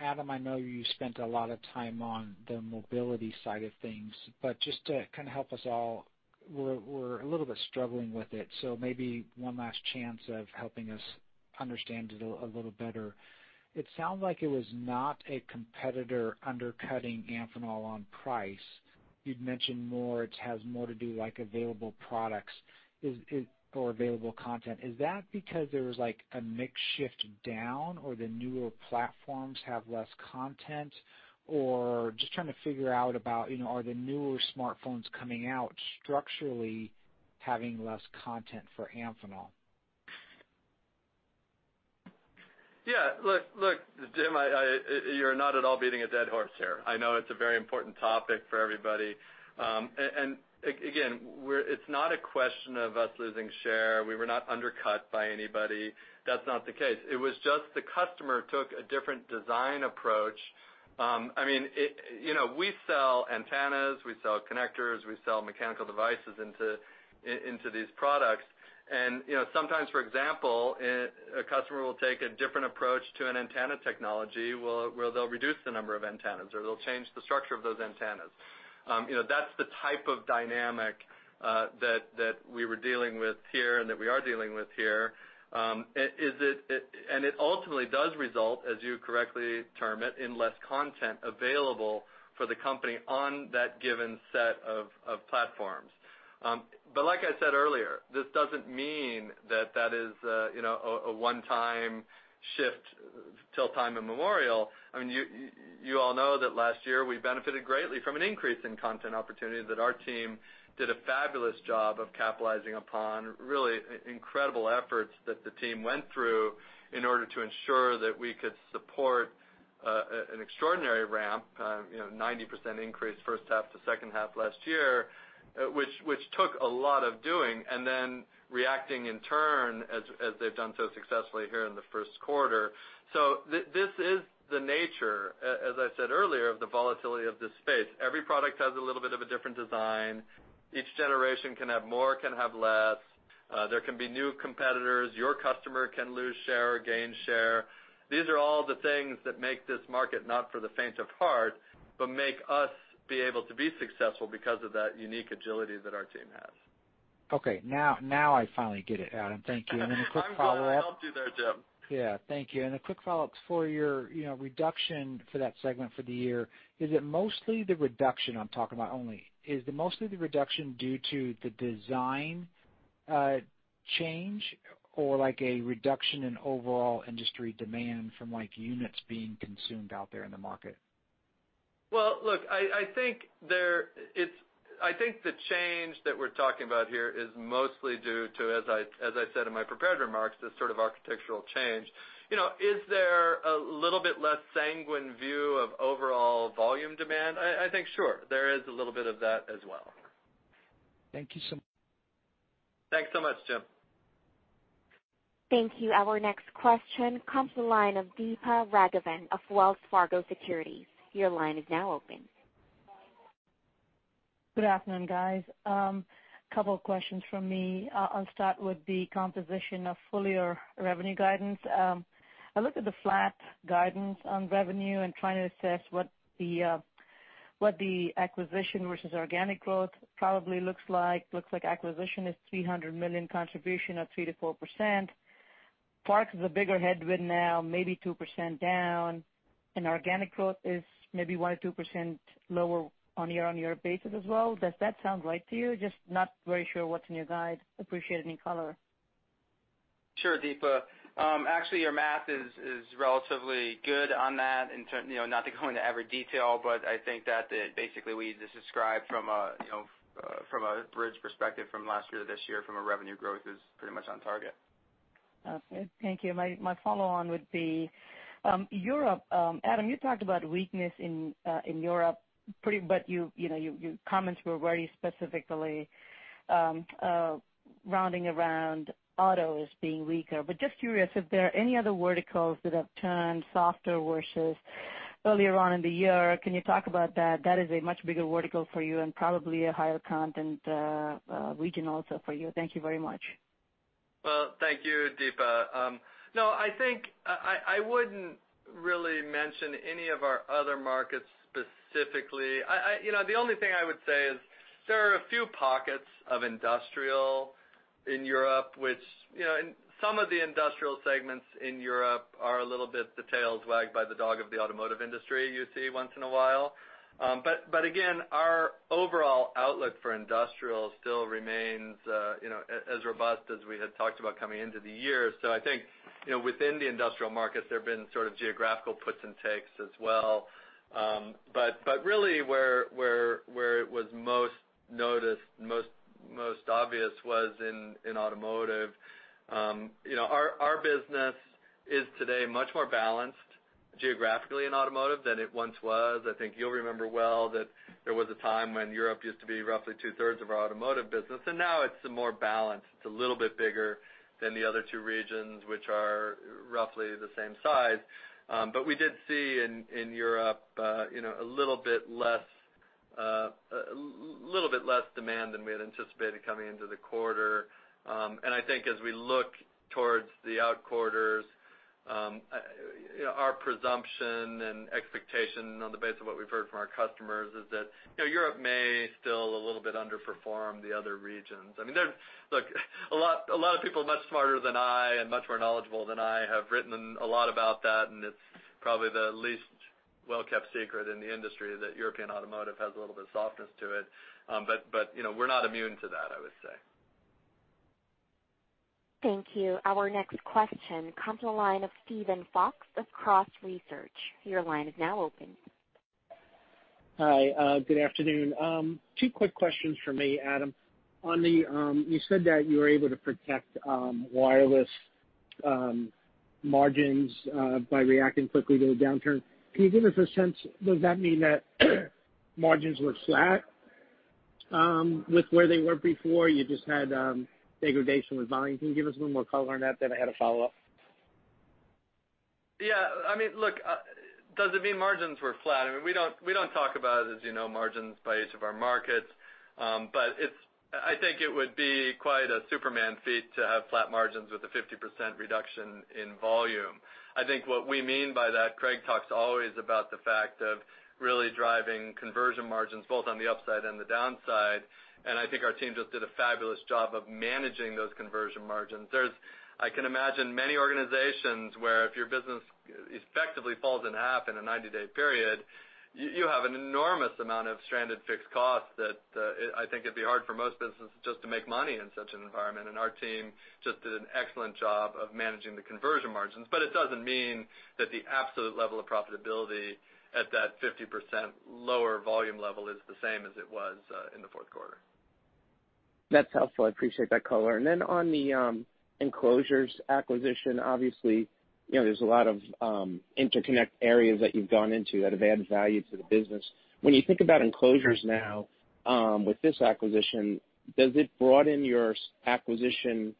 Adam, I know you spent a lot of time on the mobility side of things, but just to kind of help us all, we're a little bit struggling with it. So maybe one last chance of helping us understand it a little better. It sounds like it was not a competitor undercutting Amphenol on price. You'd mentioned more it has more to do like available products or available content. Is that because there was like a mix shift down or the newer platforms have less content? Or just trying to figure out about are the newer smartphones coming out structurally having less content for Amphenol? Yeah, look, Jim, you're not at all beating a dead horse here. I know it's a very important topic for everybody. And again, it's not a question of us losing share. We were not undercut by anybody. That's not the case. It was just the customer took a different design approach. I mean, we sell antennas, we sell connectors, we sell mechanical devices into these products. And sometimes, for example, a customer will take a different approach to an antenna technology where they'll reduce the number of antennas or they'll change the structure of those antennas. That's the type of dynamic that we were dealing with here and that we are dealing with here. And it ultimately does result, as you correctly term it, in less content available for the company on that given set of platforms. But like I said earlier, this doesn't mean that that is a one-time shift till time immemorial. I mean, you all know that last year we benefited greatly from an increase in content opportunities that our team did a fabulous job of capitalizing upon, really incredible efforts that the team went through in order to ensure that we could support an extraordinary ramp, 90% increase first half to second half last year, which took a lot of doing, and then reacting in turn as they've done so successfully here in the first quarter. So this is the nature, as I said earlier, of the volatility of this space. Every product has a little bit of a different design. Each generation can have more, can have less. There can be new competitors. Your customer can lose share or gain share. These are all the things that make this market not for the faint of heart, but make us be able to be successful because of that unique agility that our team has. Okay, now I finally get it, Adam. Thank you. And then a quick follow-up. I'll do there, Jim. Yeah, thank you. A quick follow-up for your reduction for that segment for the year. Is it mostly the reduction I'm talking about only? Is it mostly the reduction due to the design change or like a reduction in overall industry demand from units being consumed out there in the market? Well, look, I think the change that we're talking about here is mostly due to, as I said in my prepared remarks, this sort of architectural change. Is there a little bit less sanguine view of overall volume demand? I think, sure, there is a little bit of that as well. Thank you so much. Thanks so much, Jim. Thank you. Our next question comes from the line of Deepa Raghavan of Wells Fargo Securities. Your line is now open. Good afternoon, guys. A couple of questions from me. I'll start with the composition of full year revenue guidance. I looked at the flat guidance on revenue and trying to assess what the acquisition versus organic growth probably looks like. Looks like acquisition is $300 million contribution of 3%-4%. APAC is a bigger headwind now, maybe 2% down. And organic growth is maybe 1%-2% lower on year-on-year basis as well. Does that sound right to you? Just not very sure what's in your guide. Appreciate any color. Sure, Deepa. Actually, your math is relatively good on that. Not to go into every detail, but I think that basically we just described from a bridge perspective from last year to this year, from a revenue growth is pretty much on target. Okay, thank you. My follow-on would be Europe. Adam, you talked about weakness in Europe, but your comments were very specifically revolving around auto as being weaker. But just curious if there are any other verticals that have turned softer versus earlier on in the year. Can you talk about that? That is a much bigger vertical for you and probably a higher content region also for you. Thank you very much. Well, thank you, Deepa. No, I think I wouldn't really mention any of our other markets specifically. The only thing I would say is there are a few pockets of industrial in Europe, which some of the industrial segments in Europe are a little bit the tails wagged by the dog of the automotive industry you see once in a while. But again, our overall outlook for industrial still remains as robust as we had talked about coming into the year. So I think within the industrial markets, there have been sort of geographical puts and takes as well. But really, where it was most noticed, most obvious was in automotive. Our business is today much more balanced geographically in automotive than it once was. I think you'll remember well that there was a time when Europe used to be roughly two-thirds of our automotive business. And now it's more balanced. It's a little bit bigger than the other two regions, which are roughly the same size. But we did see in Europe a little bit less demand than we had anticipated coming into the quarter. And I think as we look towards the out quarters, our presumption and expectation on the basis of what we've heard from our customers is that Europe may still a little bit underperform the other regions. I mean, look, a lot of people much smarter than I and much more knowledgeable than I have written a lot about that. And it's probably the least well-kept secret in the industry that European automotive has a little bit of softness to it. But we're not immune to that, I would say. Thank you. Our next question comes from the line of Steven Fox of Cross Research. Your line is now open. Hi, good afternoon. Two quick questions for me, Adam. You said that you were able to protect wireless margins by reacting quickly to a downturn. Can you give us a sense? Does that mean that margins were flat with where they were before? You just had degradation with volume. Can you give us a little more color on that? Then I had a follow-up. Yeah, I mean, look, does it mean margins were flat? I mean, we don't talk about, as you know, margins by each of our markets. But I think it would be quite a Superman feat to have flat margins with a 50% reduction in volume. I think what we mean by that, Craig talks always about the fact of really driving conversion margins both on the upside and the downside. And I think our team just did a fabulous job of managing those conversion margins. I can imagine many organizations where if your business effectively falls in half in a 90-day period, you have an enormous amount of stranded fixed costs that I think it'd be hard for most businesses just to make money in such an environment. And our team just did an excellent job of managing the conversion margins. But it doesn't mean that the absolute level of profitability at that 50% lower volume level is the same as it was in the fourth quarter. That's helpful. I appreciate that color. And then on the enclosures acquisition, obviously, there's a lot of interconnect areas that you've gone into that have added value to the business. When you think about enclosures now with this acquisition, does it broaden your acquisition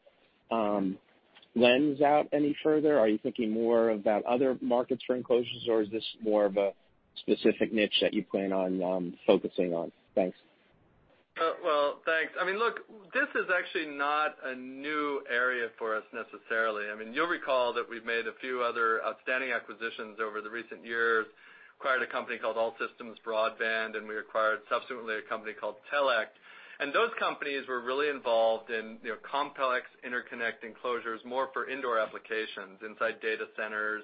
lens out any further? Are you thinking more about other markets for enclosures, or is this more of a specific niche that you plan on focusing on? Thanks. Well, thanks. I mean, look, this is actually not a new area for us necessarily. I mean, you'll recall that we've made a few other outstanding acquisitions over the recent years. We acquired a company called All Systems Broadband, and we acquired subsequently a company called Telect. And those companies were really involved in complex interconnect enclosures more for indoor applications inside data centers,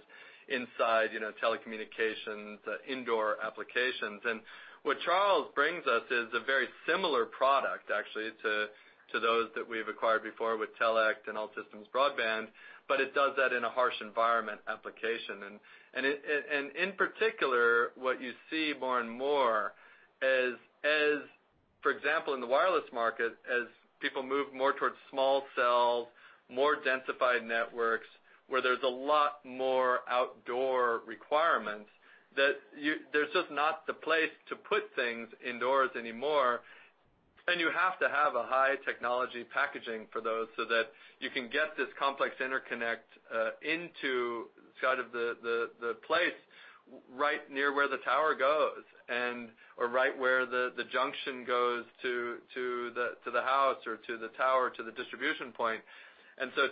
inside telecommunications, indoor applications. And what Charles brings us is a very similar product actually to those that we've acquired before with Telect and All Systems Broadband, but it does that in a harsh environment application. And in particular, what you see more and more is, for example, in the wireless market, as people move more towards small cells, more densified networks where there's a lot more outdoor requirements, that there's just not the place to put things indoors anymore. You have to have a high technology packaging for those so that you can get this complex interconnect into sort of the place right near where the tower goes or right where the junction goes to the house or to the tower to the distribution point.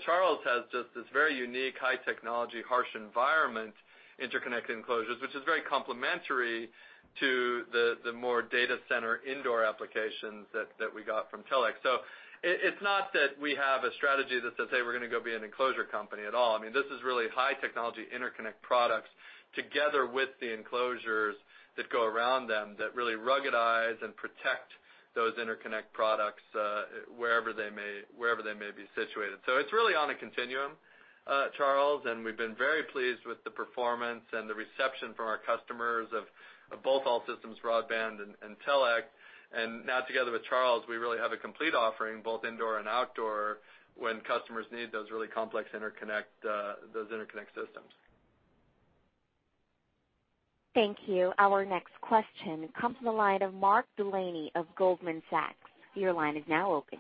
Charles has just this very unique high technology harsh environment interconnect enclosures, which is very complementary to the more data center indoor applications that we got from Telect. It's not that we have a strategy that says, "Hey, we're going to go be an enclosure company at all." I mean, this is really high technology interconnect products together with the enclosures that go around them that really ruggedize and protect those interconnect products wherever they may be situated. So it's really on a continuum, Charles, and we've been very pleased with the performance and the reception from our customers of both All Systems Broadband and Telect. Now together with Charles, we really have a complete offering both indoor and outdoor when customers need those really complex interconnect systems. Thank you. Our next question comes from the line of Mark Delaney of Goldman Sachs. Your line is now open.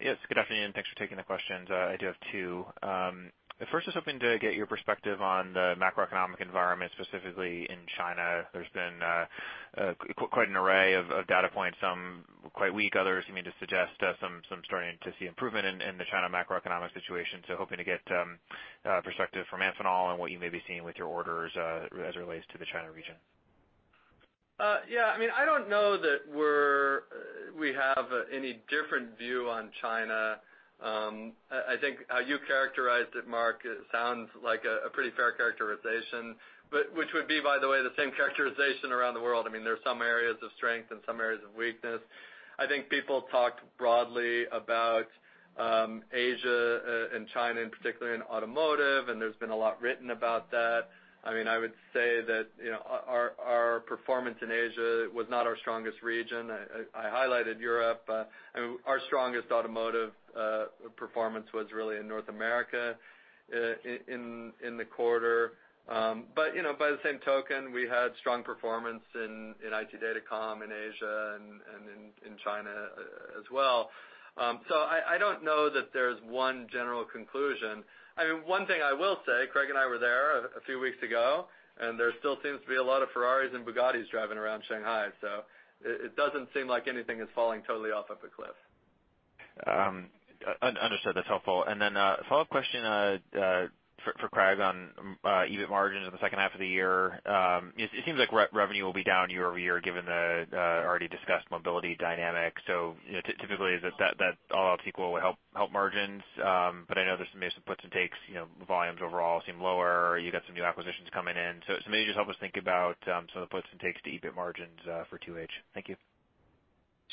Yes, good afternoon. Thanks for taking the questions. I do have two. First, I was hoping to get your perspective on the macroeconomic environment, specifically in China. There's been quite an array of data points, some quite weak, others seeming to suggest some starting to see improvement in the China macroeconomic situation. So hoping to get perspective from Amphenol on what you may be seeing with your orders as it relates to the China region. Yeah, I mean, I don't know that we have any different view on China. I think how you characterized it, Mark, it sounds like a pretty fair characterization, which would be, by the way, the same characterization around the world. I mean, there are some areas of strength and some areas of weakness. I think people talked broadly about Asia and China in particular in automotive, and there's been a lot written about that. I mean, I would say that our performance in Asia was not our strongest region. I highlighted Europe. Our strongest automotive performance was really in North America in the quarter. But by the same token, we had strong performance in IT datacom in Asia and in China as well. So I don't know that there's one general conclusion. I mean, one thing I will say, Craig and I were there a few weeks ago, and there still seems to be a lot of Ferraris and Bugattis driving around Shanghai. So it doesn't seem like anything is falling totally off of a cliff. Understood. That's helpful. And then follow-up question for Craig on EBIT margins in the second half of the year. It seems like revenue will be down year-over-year given the already discussed mobility dynamic. So typically, is it that all else equal will help margins? But I know there may be some puts and takes. Volumes overall seem lower. You got some new acquisitions coming in. So maybe just help us think about some of the puts and takes to EBIT margins for 2H. Thank you.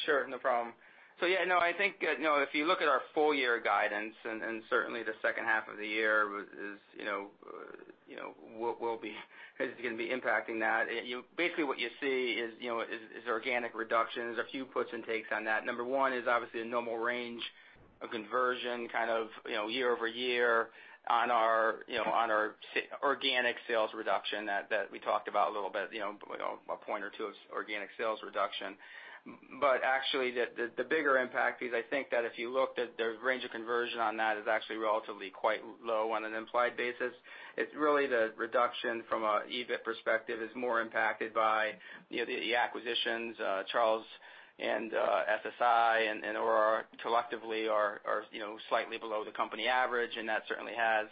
Sure, no problem. So yeah, no, I think if you look at our full year guidance, and certainly the second half of the year is what will be going to be impacting that. Basically, what you see is organic reductions. A few puts and takes on that. Number one is obviously a normal range of conversion kind of year-over-year on our organic sales reduction that we talked about a little bit, a point or two of organic sales reduction. But actually, the bigger impact is I think that if you looked at the range of conversion on that, it's actually relatively quite low on an implied basis. It's really the reduction from an EBIT perspective is more impacted by the acquisitions. Charles and SSI and Aorora collectively are slightly below the company average, and that certainly has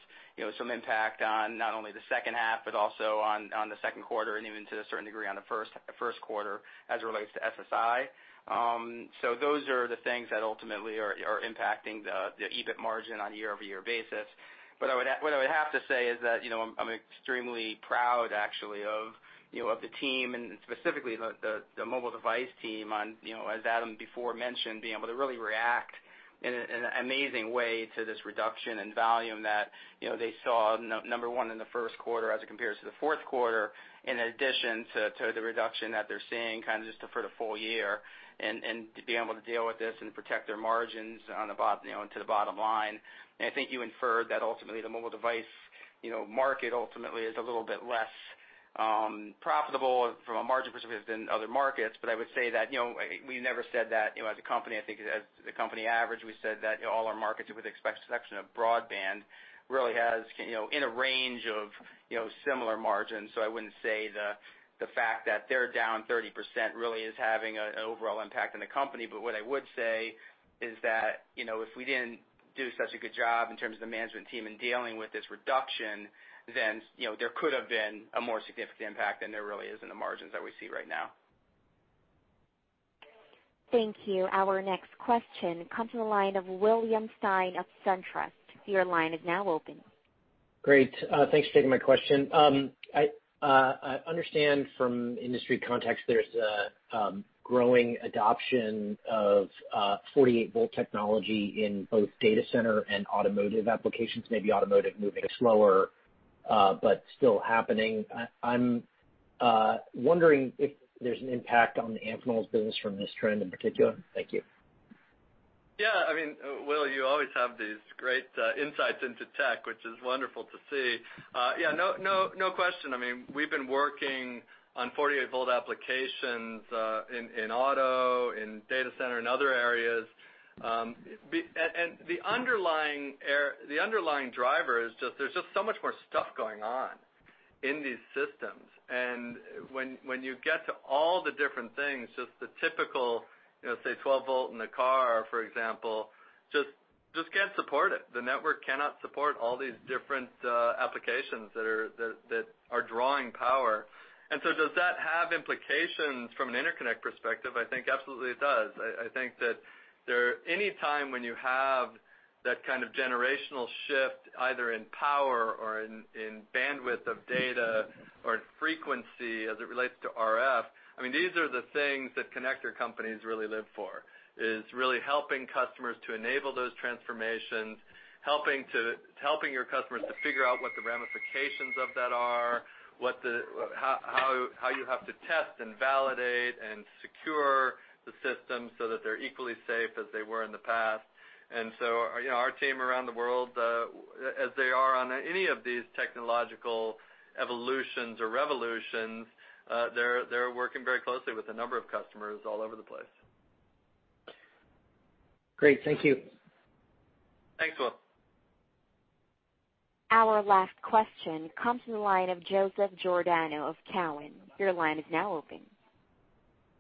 some impact on not only the second half, but also on the second quarter and even to a certain degree on the first quarter as it relates to SSI. So those are the things that ultimately are impacting the EBIT margin on a year-over-year basis. But what I would have to say is that I'm extremely proud actually of the team and specifically the mobile device team on, as Adam before mentioned, being able to really react in an amazing way to this reduction in volume that they saw, number one, in the first quarter as it compares to the fourth quarter, in addition to the reduction that they're seeing kind of just for the full year and being able to deal with this and protect their margins to the bottom line. I think you inferred that ultimately the mobile device market ultimately is a little bit less profitable from a margin perspective than other markets. I would say that we never said that as a company. I think as the company average, we said that all our markets with expected production of broadband really has in a range of similar margins. I wouldn't say the fact that they're down 30% really is having an overall impact on the company. What I would say is that if we didn't do such a good job in terms of the management team in dealing with this reduction, then there could have been a more significant impact than there really is in the margins that we see right now. Thank you. Our next question comes from the line of William Stein of SunTrust. Your line is now open. Great. Thanks for taking my question. I understand from industry context, there's a growing adoption of 48-volt technology in both data center and automotive applications. Maybe automotive moving slower, but still happening. I'm wondering if there's an impact on Amphenol's business from this trend in particular. Thank you. Yeah, I mean, Will, you always have these great insights into tech, which is wonderful to see. Yeah, no question. I mean, we've been working on 48-volt applications in auto, in data center, in other areas. And the underlying driver is just there's just so much more stuff going on in these systems. And when you get to all the different things, just the typical, say, 12-volt in the car, for example, just can't support it. The network cannot support all these different applications that are drawing power. And so does that have implications from an interconnect perspective? I think absolutely it does. I think that anytime when you have that kind of generational shift, either in power or in bandwidth of data or frequency as it relates to RF, I mean, these are the things that connector companies really live for, is really helping customers to enable those transformations, helping your customers to figure out what the ramifications of that are, how you have to test and validate and secure the system so that they're equally safe as they were in the past. And so our team around the world, as they are on any of these technological evolutions or revolutions, they're working very closely with a number of customers all over the place. Great. Thank you. Thanks, Will. Our last question comes from the line of Joseph Giordano of Cowen. Your line is now open.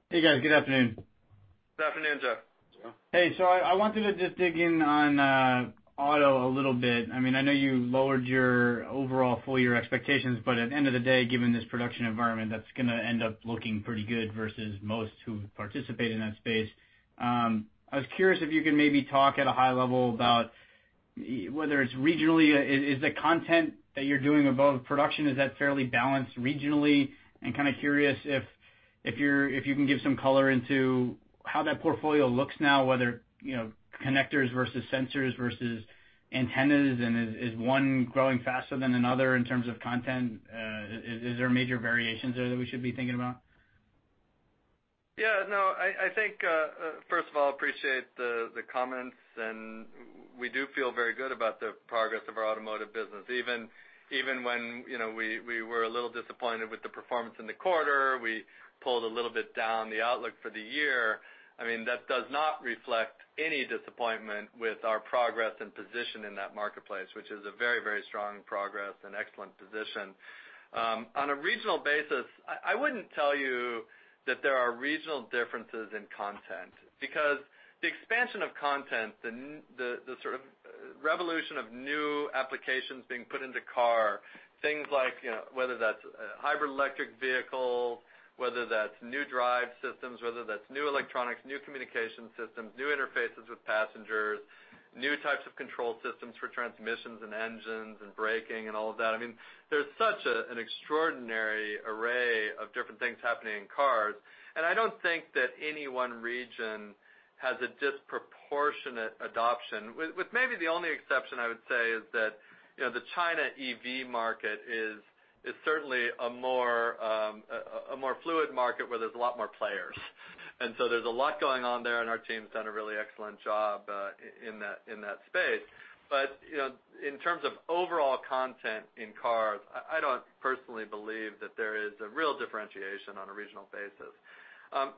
Hey, guys. Good afternoon. Good afternoon, Joseph. Hey, so I wanted to just dig in on auto a little bit. I mean, I know you lowered your overall full year expectations, but at the end of the day, given this production environment, that's going to end up looking pretty good versus most who participate in that space. I was curious if you could maybe talk at a high level about whether it's regionally, is the content that you're doing above production, is that fairly balanced regionally? And kind of curious if you can give some color into how that portfolio looks now, whether connectors versus sensors versus antennas, and is one growing faster than another in terms of content? Is there major variations there that we should be thinking about? Yeah, no, I think, first of all, I appreciate the comments, and we do feel very good about the progress of our automotive business. Even when we were a little disappointed with the performance in the quarter, we pulled a little bit down the outlook for the year. I mean, that does not reflect any disappointment with our progress and position in that marketplace, which is a very, very strong progress and excellent position. On a regional basis, I wouldn't tell you that there are regional differences in content because the expansion of content, the sort of revolution of new applications being put into car, things like whether that's hybrid electric vehicles, whether that's new drive systems, whether that's new electronics, new communication systems, new interfaces with passengers, new types of control systems for transmissions and engines and braking and all of that. I mean, there's such an extraordinary array of different things happening in cars. I don't think that any one region has a disproportionate adoption. With maybe the only exception I would say is that the China EV market is certainly a more fluid market where there's a lot more players. There's a lot going on there, and our team's done a really excellent job in that space. In terms of overall content in cars, I don't personally believe that there is a real differentiation on a regional basis.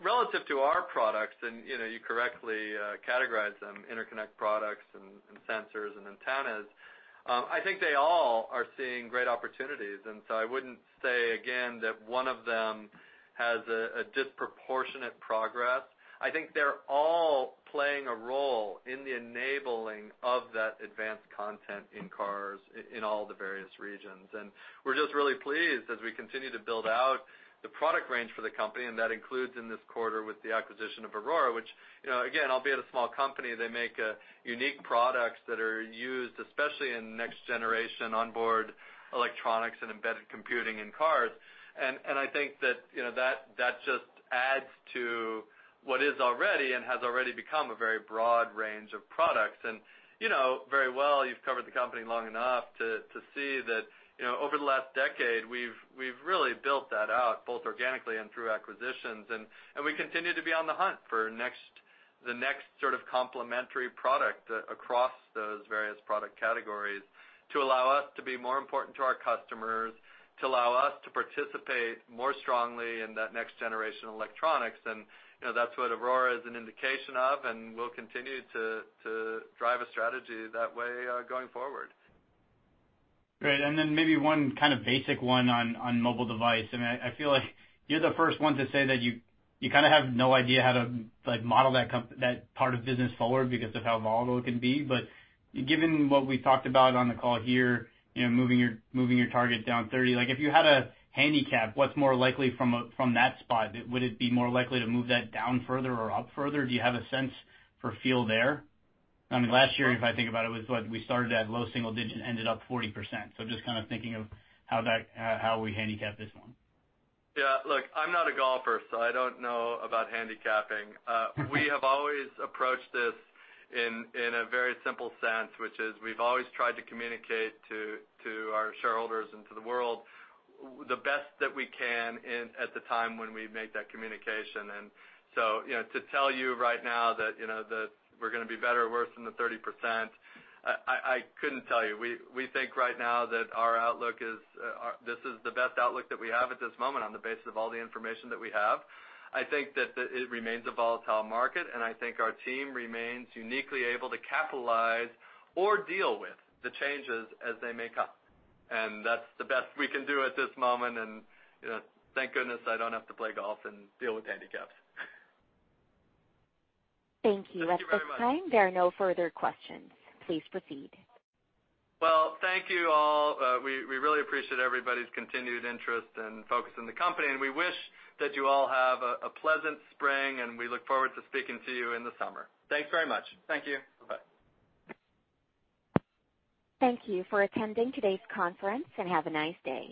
Relative to our products, and you correctly categorize them, interconnect products and sensors and antennas, I think they all are seeing great opportunities. I wouldn't say, again, that one of them has a disproportionate progress. I think they're all playing a role in the enabling of that advanced content in cars in all the various regions. We're just really pleased as we continue to build out the product range for the company, and that includes in this quarter with the acquisition of Aorora, which, again, albeit a small company, they make unique products that are used especially in next generation onboard electronics and embedded computing in cars. I think that that just adds to what is already and has already become a very broad range of products. Very well, you've covered the company long enough to see that over the last decade, we've really built that out both organically and through acquisitions. We continue to be on the hunt for the next sort of complementary product across those various product categories to allow us to be more important to our customers, to allow us to participate more strongly in that next generation electronics. That's what Aorora is an indication of, and we'll continue to drive a strategy that way going forward. Great. And then maybe one kind of basic one on mobile device. I mean, I feel like you're the first one to say that you kind of have no idea how to model that part of business forward because of how volatile it can be. But given what we talked about on the call here, moving your target down 30, if you had a handicap, what's more likely from that spot? Would it be more likely to move that down further or up further? Do you have a sense for feel there? I mean, last year, if I think about it, we started at low single digit and ended up 40%. So just kind of thinking of how we handicap this one. Yeah, look, I'm not a golfer, so I don't know about handicapping. We have always approached this in a very simple sense, which is we've always tried to communicate to our shareholders and to the world the best that we can at the time when we make that communication. And so to tell you right now that we're going to be better or worse than the 30%, I couldn't tell you. We think right now that our outlook is this is the best outlook that we have at this moment on the basis of all the information that we have. I think that it remains a volatile market, and I think our team remains uniquely able to capitalize or deal with the changes as they may come. And that's the best we can do at this moment. And thank goodness I don't have to play golf and deal with handicaps. Thank you. At this time, there are no further questions. Please proceed. Well, thank you all. We really appreciate everybody's continued interest and focus in the company. We wish that you all have a pleasant spring, and we look forward to speaking to you in the summer. Thanks very much. Thank you. Bye-bye. Thank you for attending today's conference, and have a nice day.